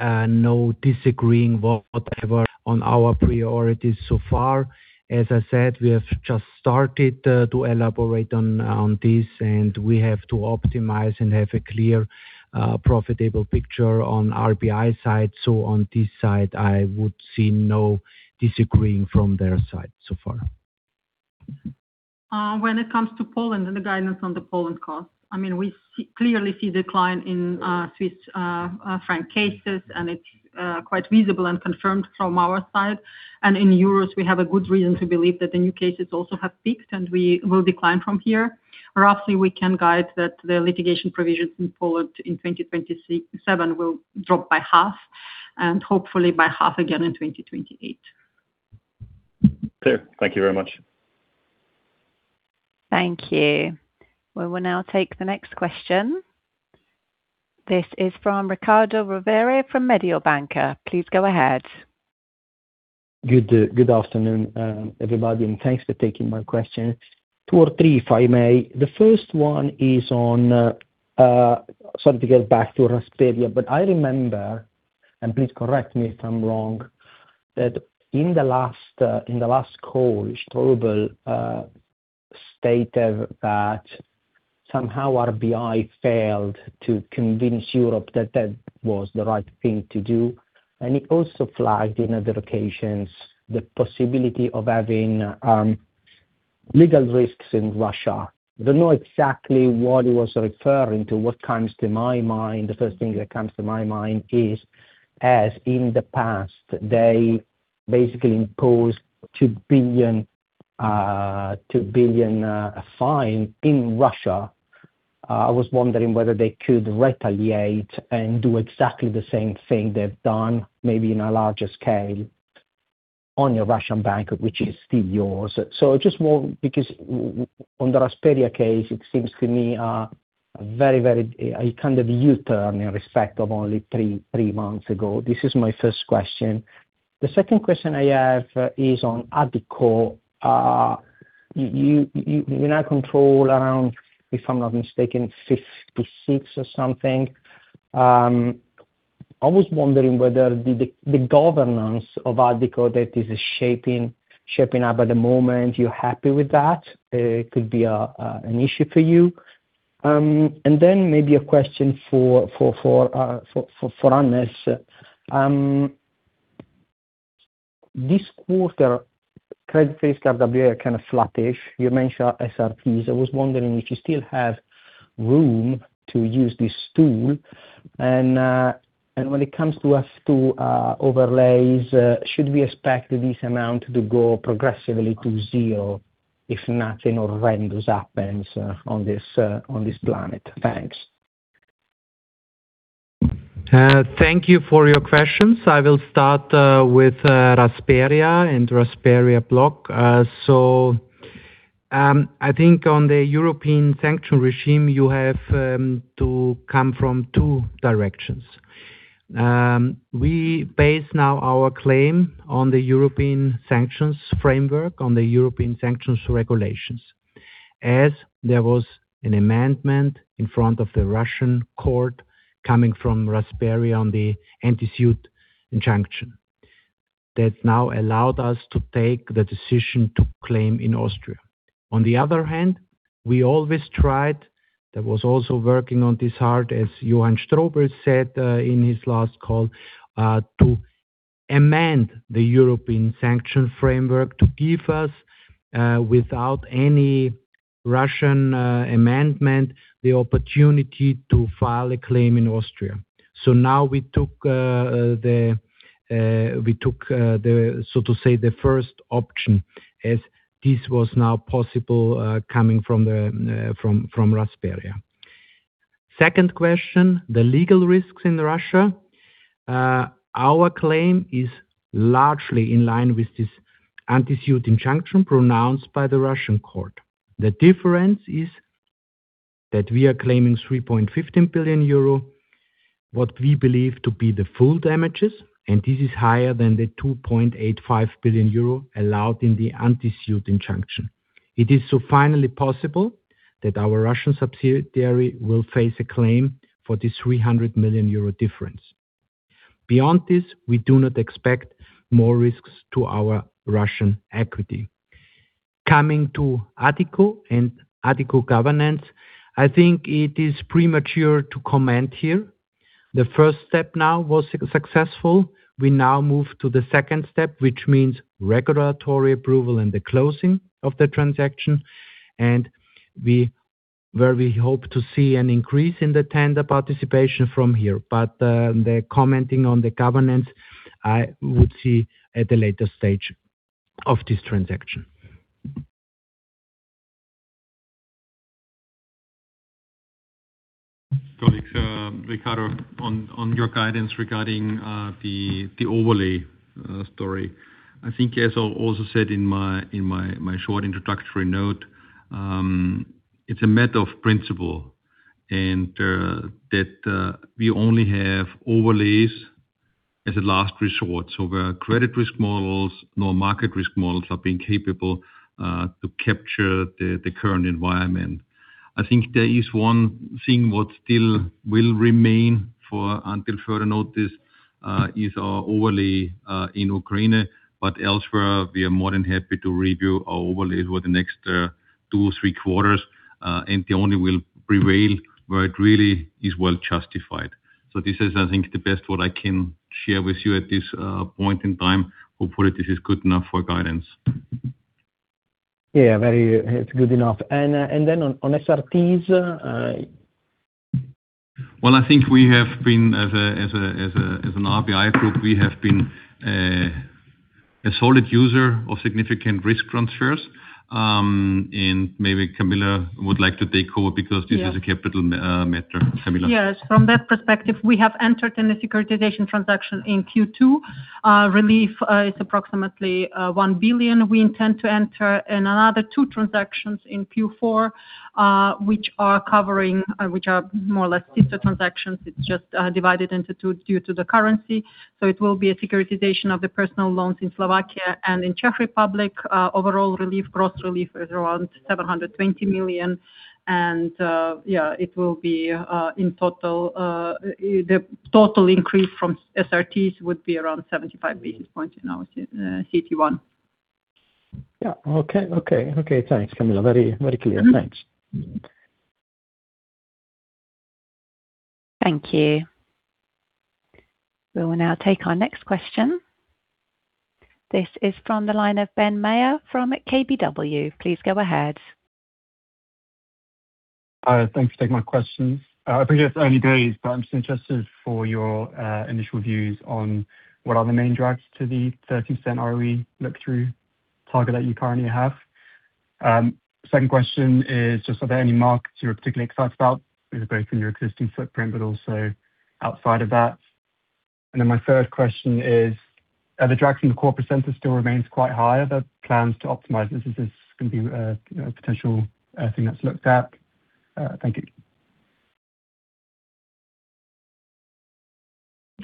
no disagreeing whatever on our priorities so far. As I said, we have just started to elaborate on this, and we have to optimize and have a clear, profitable picture on RBI side. On this side, I would see no disagreeing from their side so far. When it comes to Poland and the guidance on the Poland cost, we clearly see decline in Swiss franc cases, and it's quite visible and confirmed from our side. In euros, we have a good reason to believe that the new cases also have peaked, and we will decline from here. Roughly, we can guide that the litigation provisions in Poland in 2027 will drop by half, and hopefully by half again in 2028. Clear. Thank you very much. Thank you. We will now take the next question. This is from Riccardo Rovere from Mediobanca. Please go ahead. Good afternoon, everybody. Thanks for taking my question. Two or three, if I may. The first one is on, sorry to get back to Rasperia, I remember, and please correct me if I'm wrong, that in the last call, Strobl stated that somehow RBI failed to convince Europe that that was the right thing to do. He also flagged in other occasions the possibility of having legal risks in Russia. Do not know exactly what he was referring to. The first thing that comes to my mind is, as in the past, they basically imposed 2 billion fine in Russia. I was wondering whether they could retaliate and do exactly the same thing they have done, maybe in a larger scale, on your Russian bank, which is still yours. Just more because on the Rasperia case, it seems to me a very, very kind of U-turn in respect of only three months ago. This is my first question. The second question I have is on Addiko. You now control around, if I am not mistaken, 56% or something. I was wondering whether the governance of Addiko that is shaping up at the moment, you are happy with that? Could be an issue for you. Maybe a question for Hannes. This quarter, credit face RWA are kind of flattish. You mentioned SRTs. I was wondering if you still have room to use this tool. When it comes to overlays, should we expect this amount to go progressively to zero if nothing horrendous happens on this planet? Thanks. Thank you for your questions. I will start with Rasperia and Rasperia block. I think on the European sanction regime, you have to come from two directions. We base now our claim on the European sanctions framework, on the European sanctions regulations, as there was an amendment in front of the Russian court coming from Rasperia on the anti-suit injunction that now allowed us to take the decision to claim in Austria. On the other hand, we always tried, that was also working on this hard, as Johann Strobl said in his last call, to amend the European sanction framework to give us, without any Russian amendment, the opportunity to file a claim in Austria. Now we took the, so to say, the first option as this was now possible coming from Rasperia. Second question, the legal risks in Russia. Our claim is largely in line with this anti-suit injunction pronounced by the Russian court. The difference is that we are claiming 3.15 billion euro, what we believe to be the full damages, and this is higher than the 2.85 billion euro allowed in the anti-suit injunction. It is finally possible that our Russian subsidiary will face a claim for the 300 million euro difference. Beyond this, we do not expect more risks to our Russian equity. Coming to Addiko and Addiko governance, I think it is premature to comment here. The first step now was successful. We now move to the second step, which means regulatory approval and the closing of the transaction, where we hope to see an increase in the tender participation from here. The commenting on the governance, I would see at a later stage of this transaction. Colleagues, Riccardo, on your guidance regarding the overlay story. I think as I also said in my short introductory note, it's a matter of principle, and that we only have overlays as a last resort. Where credit risk models, nor market risk models are being capable to capture the current environment. I think there is one thing what still will remain until further notice is our overlay in Ukraine, but elsewhere, we are more than happy to review our overlays for the next two or three quarters, they only will prevail where it really is well-justified. This is, I think, the best what I can share with you at this point in time. Hopefully, this is good enough for guidance. Yeah. It's good enough. Then on SRTs I think we have been, as an RBI group, we have been a solid user of significant risk transfers. Maybe Kamila would like to take over because this is a capital matter. Kamila. Yes. From that perspective, we have entered in a securitization transaction in Q2. Relief is approximately 1 billion. We intend to enter in another two transactions in Q4, which are more or less inter-transactions. It's just divided into two due to the currency. It will be a securitization of the personal loans in Slovakia and in Czech Republic. Overall relief, gross relief is around 720 million. The total increase from SRTs would be around 75 basis points in our CET1. Okay, thanks, Kamila. Very clear. Thanks. Thank you. We will now take our next question. This is from the line of Ben Maher from KBW. Please go ahead. Thanks for taking my questions. I appreciate it's early days, but I'm just interested for your initial views on what are the main drags to the 30 cent ROE look-through target that you currently have. Second question is just, are there any markets you're particularly excited about, either both in your existing footprint but also outside of that? My third question is, the drag from the corporate center still remains quite high. Are there plans to optimize this? Is this going to be a potential thing that's looked at? Thank you.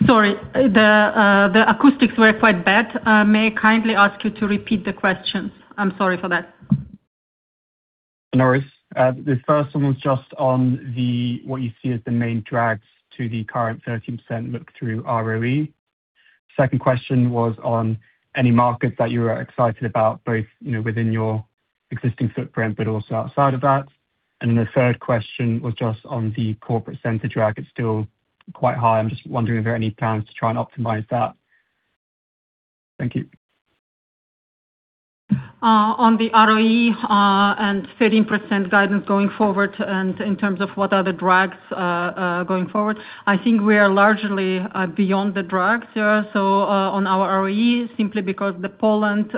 Sorry. The acoustics were quite bad. May I kindly ask you to repeat the questions? I'm sorry for that. No worries. The first one was just on what you see as the main drags to the current 13% look through ROE. Second question was on any markets that you are excited about, both within your existing footprint but also outside of that. The third question was just on the corporate center drag. It's still quite high. I'm just wondering if there are any plans to try and optimize that. Thank you. On the ROE, and 13% guidance going forward, and in terms of what are the drags going forward. I think we are largely beyond the drags here. On our ROE, simply because the Poland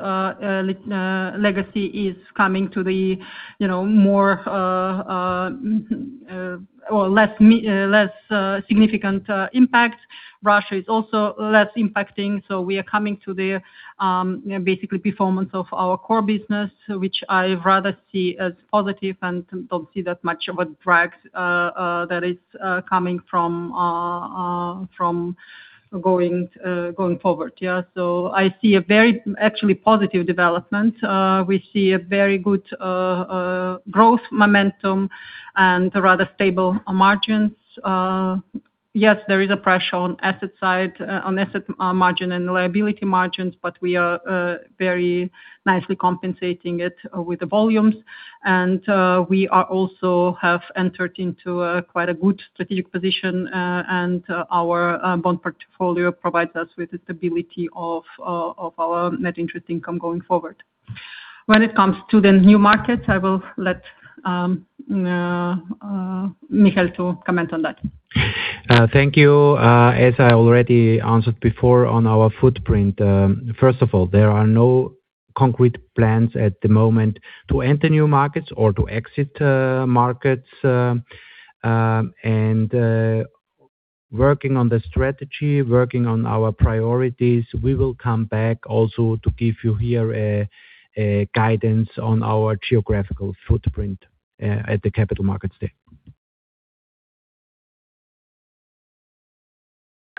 legacy is coming to the less significant impact, Russia is also less impacting. We are coming to the basically performance of our core business, so which I rather see as positive and don't see that much of a drag that is coming from going forward. I see a very actually positive development. We see a very good growth momentum and rather stable margins. Yes, there is a pressure on asset margin and liability margins, but we are very nicely compensating it with the volumes. We also have entered into quite a good strategic position, and our bond portfolio provides us with the stability of our net interest income going forward. When it comes to the new markets, I will let Michael to comment on that. Thank you. As I already answered before on our footprint. First of all, there are no concrete plans at the moment to enter new markets or to exit markets. Working on the strategy, working on our priorities, we will come back also to give you here a guidance on our geographical footprint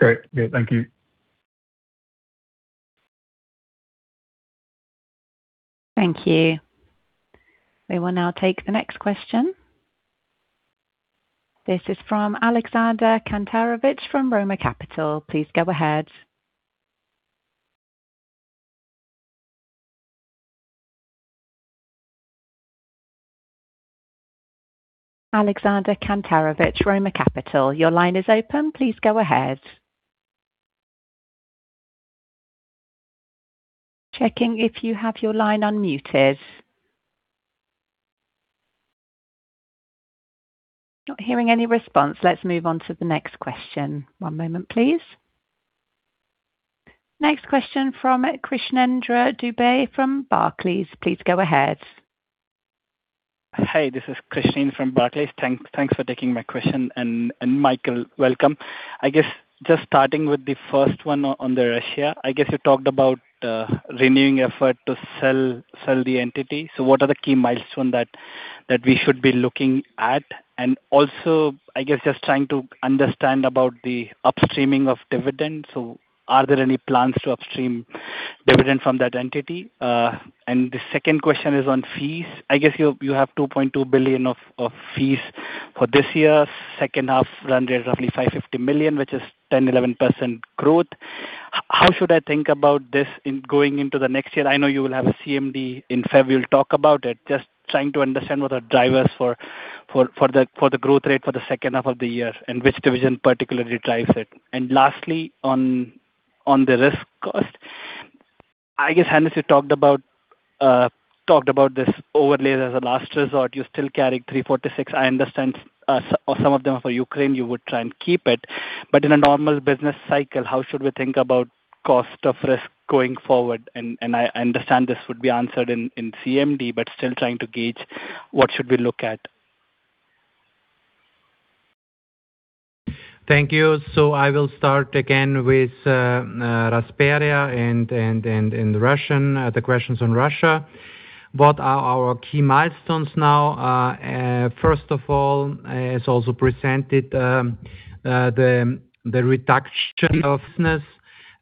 at the Capital Markets Day. Great. Thank you. Thank you. We will now take the next question. This is from Alexander Kantarovich from Roemer Capital. Please go ahead. Alexander Kantarovich, Roemer Capital. Your line is open. Please go ahead. Checking if you have your line unmuted. Not hearing any response. Let's move on to the next question. One moment, please. Next question from Krishnendra Dubey from Barclays. Please go ahead. Hey, this is Krishnendra from Barclays. Thanks for taking my question, Michael, welcome. I guess just starting with the first one on the Russia, I guess you talked about renewing effort to sell the entity. What are the key milestones that we should be looking at? Also, I guess just trying to understand about the upstreaming of dividends. Are there any plans to upstream dividend from that entity? The second question is on fees. I guess you have 2.2 billion of fees for this year. Second half run rate roughly 550 million, which is 10%-11% growth. How should I think about this going into the next year? I know you will have a CMD in February. We'll talk about it. Just trying to understand what are drivers for the growth rate for the second half of the year and which division particularly drives it. Lastly, on the risk cost. I guess Hannes, you talked about this overlay as a last resort. You still carry 346 million. I understand some of them are for Ukraine, you would try and keep it. In a normal business cycle, how should we think about cost of risk going forward? I understand this would be answered in CMD, but still trying to gauge what should we look at. Thank you. I will start again with Rasperia and the questions on Russia. What are our key milestones now? First of all, as also presented, the reduction of business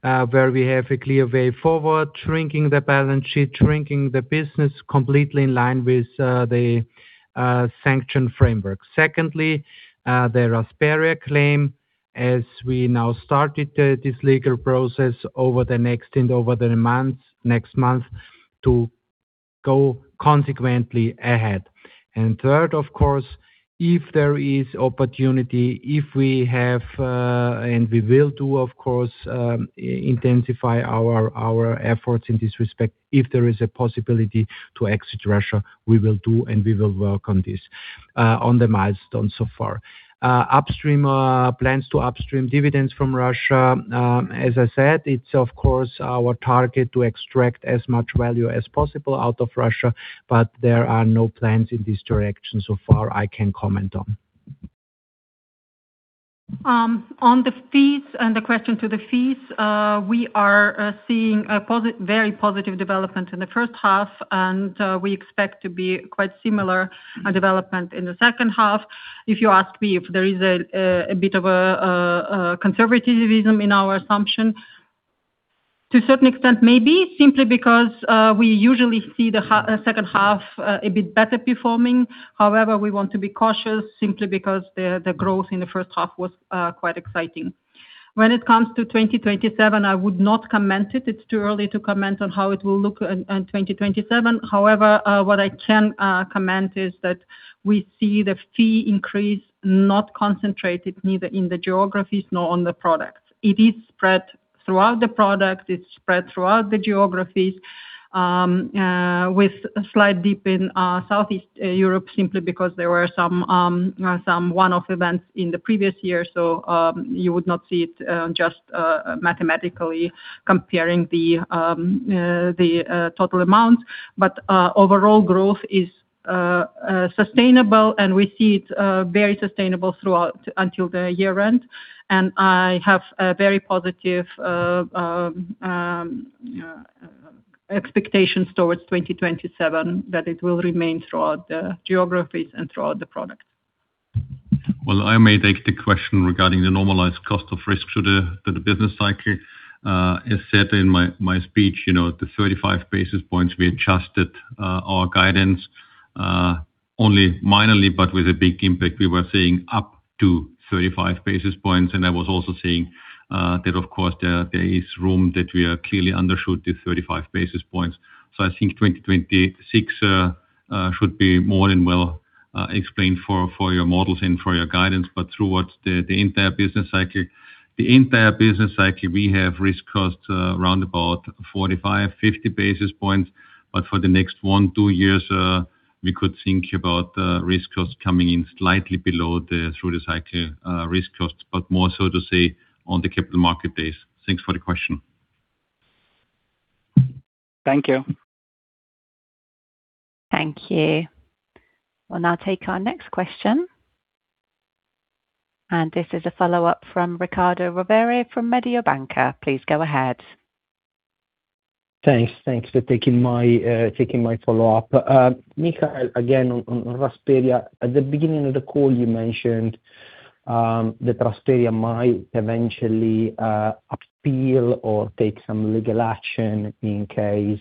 where we have a clear way forward, shrinking the balance sheet, shrinking the business completely in line with the sanction framework. Secondly, the Rasperia claim as we now started this legal process over the next month to go consequently ahead. Third, of course, if there is opportunity, and we will do, of course, intensify our efforts in this respect, if there is a possibility to exit Russia, we will do, and we will work on this, on the milestones so far. Plans to upstream dividends from Russia. As I said, it's of course our target to extract as much value as possible out of Russia, but there are no plans in this direction so far I can comment on. On the fees and the question to the fees, we are seeing a very positive development in the first half, and we expect to be quite similar development in the second half. If you ask me if there is a bit of a conservatism in our assumption, to a certain extent, maybe, simply because we usually see the second half a bit better performing. However, we want to be cautious simply because the growth in the first half was quite exciting. When it comes to 2027, I would not comment it. It's too early to comment on how it will look in 2027. However, what I can comment is that we see the fee increase not concentrated neither in the geographies nor on the products. It is spread throughout the product, it's spread throughout the geographies, with a slight dip in Southeast Europe, simply because there were some one-off events in the previous year. You would not see it just mathematically comparing the total amount. Overall growth is sustainable and we see it very sustainable throughout until the year-end. I have a very positive expectations towards 2027 that it will remain throughout the geographies and throughout the product. I may take the question regarding the normalized cost of risk through the business cycle. As said in my speech, the 35 basis points, we adjusted our guidance only minorly, but with a big impact. We were seeing up to 35 basis points. I was also seeing that of course, there is room that we clearly undershoot the 35 basis points. I think 2026 should be more than well explained for your models and for your guidance, but throughout the entire business cycle. The entire business cycle, we have risk costs around about 45, 50 basis points. For the next one, two years, we could think about risk costs coming in slightly below through the cycle risk costs, but more so to say on the capital market days. Thanks for the question. Thank you. Thank you. We'll now take our next question. This is a follow-up from Riccardo Rovere from Mediobanca. Please go ahead. Thanks. Thanks for taking my follow-up. Michael, again, on Rasperia. At the beginning of the call you mentioned that Rasperia might eventually appeal or take some legal action in case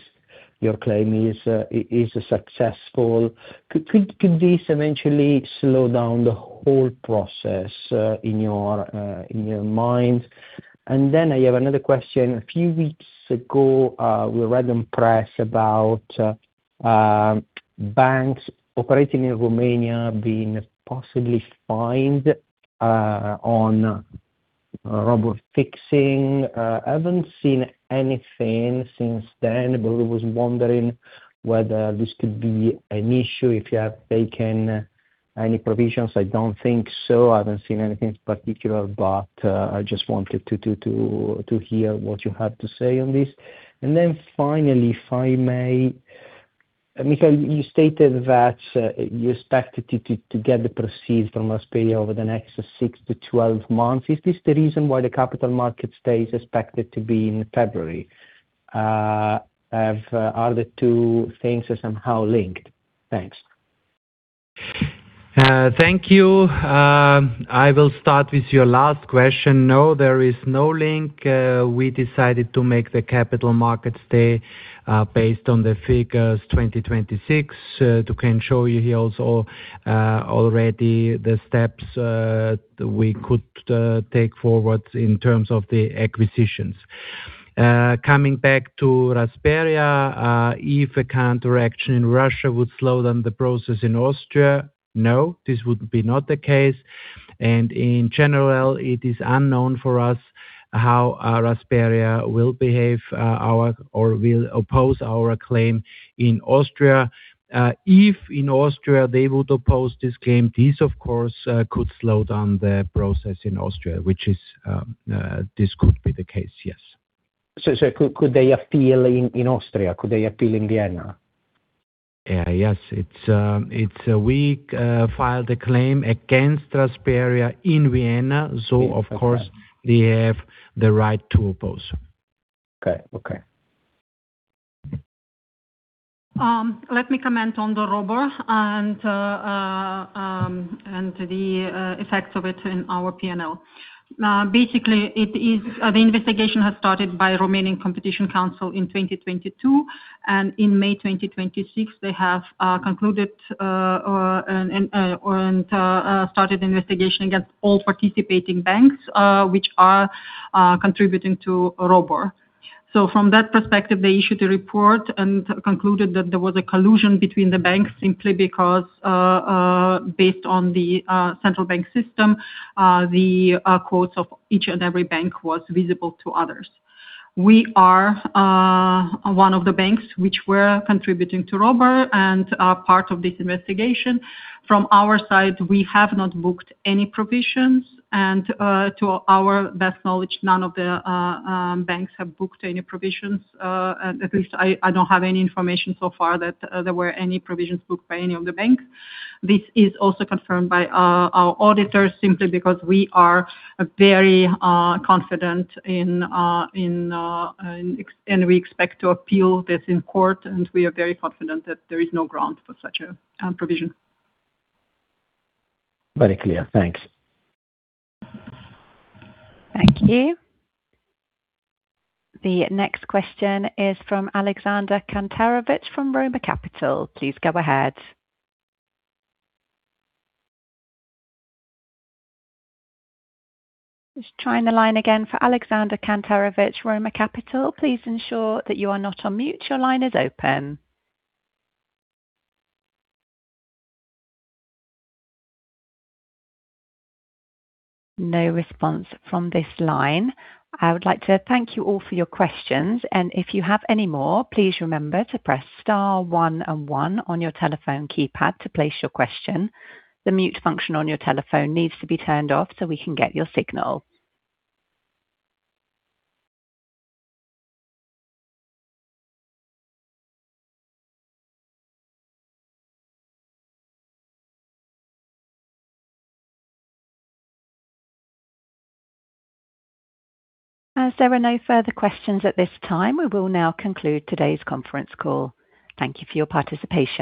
your claim is successful. Could this eventually slow down the whole process, in your mind? I have another question, a few weeks ago, we read on press about banks operating in Romania being possibly fined on ROBOR fixing. I haven't seen anything since then, but I was wondering whether this could be an issue, if you have taken any provisions. I don't think so. I haven't seen anything in particular, but I just wanted to hear what you have to say on this. Finally, if I may, Michael, you stated that you expected to get the proceeds from Rasperia over the next 6-12 months. Is this the reason why the Capital Markets Day is expected to be in February? Are the two things somehow linked? Thanks. Thank you. I will start with your last question. No, there is no link. We decided to make the Capital Markets Day based on the figures 2026, to show you here also already the steps we could take forward in terms of the acquisitions. Coming back to Rasperia, if a counteraction in Russia would slow down the process in Austria. No, this would be not the case. In general, it is unknown for us how Rasperia will behave or will oppose our claim in Austria. If in Austria they would oppose this claim, this of course could slow down the process in Austria, this could be the case, yes. Could they appeal in Austria? Could they appeal in Vienna? Yes. We filed a claim against Rasperia in Vienna, so of course they have the right to oppose. Okay. Let me comment on the ROBOR and the effects of it in our P&L. Basically, the investigation has started by Romanian Competition Council in 2022, and in May 2026, they have concluded and started investigation against all participating banks, which are contributing to ROBOR. From that perspective, they issued a report and concluded that there was a collusion between the banks simply because, based on the central bank system, the quotes of each and every bank was visible to others. We are one of the banks which were contributing to ROBOR and are part of this investigation. From our side, we have not booked any provisions. To our best knowledge, none of the banks have booked any provisions. At least I don't have any information so far that there were any provisions booked by any of the banks. This is also confirmed by our auditors simply because we are very confident, and we expect to appeal this in court, and we are very confident that there is no ground for such a provision. Very clear. Thanks. Thank you. The next question is from Alexander Kantarovich from Roemer Capital. Please go ahead. Just trying the line again for Alexander Kantarovich, Roemer Capital. Please ensure that you are not on mute. Your line is open. No response from this line. I would like to thank you all for your questions. If you have any more, please remember to press star one and one on your telephone keypad to place your question. The mute function on your telephone needs to be turned off so we can get your signal. As there are no further questions at this time, we will now conclude today's conference call. Thank you for your participation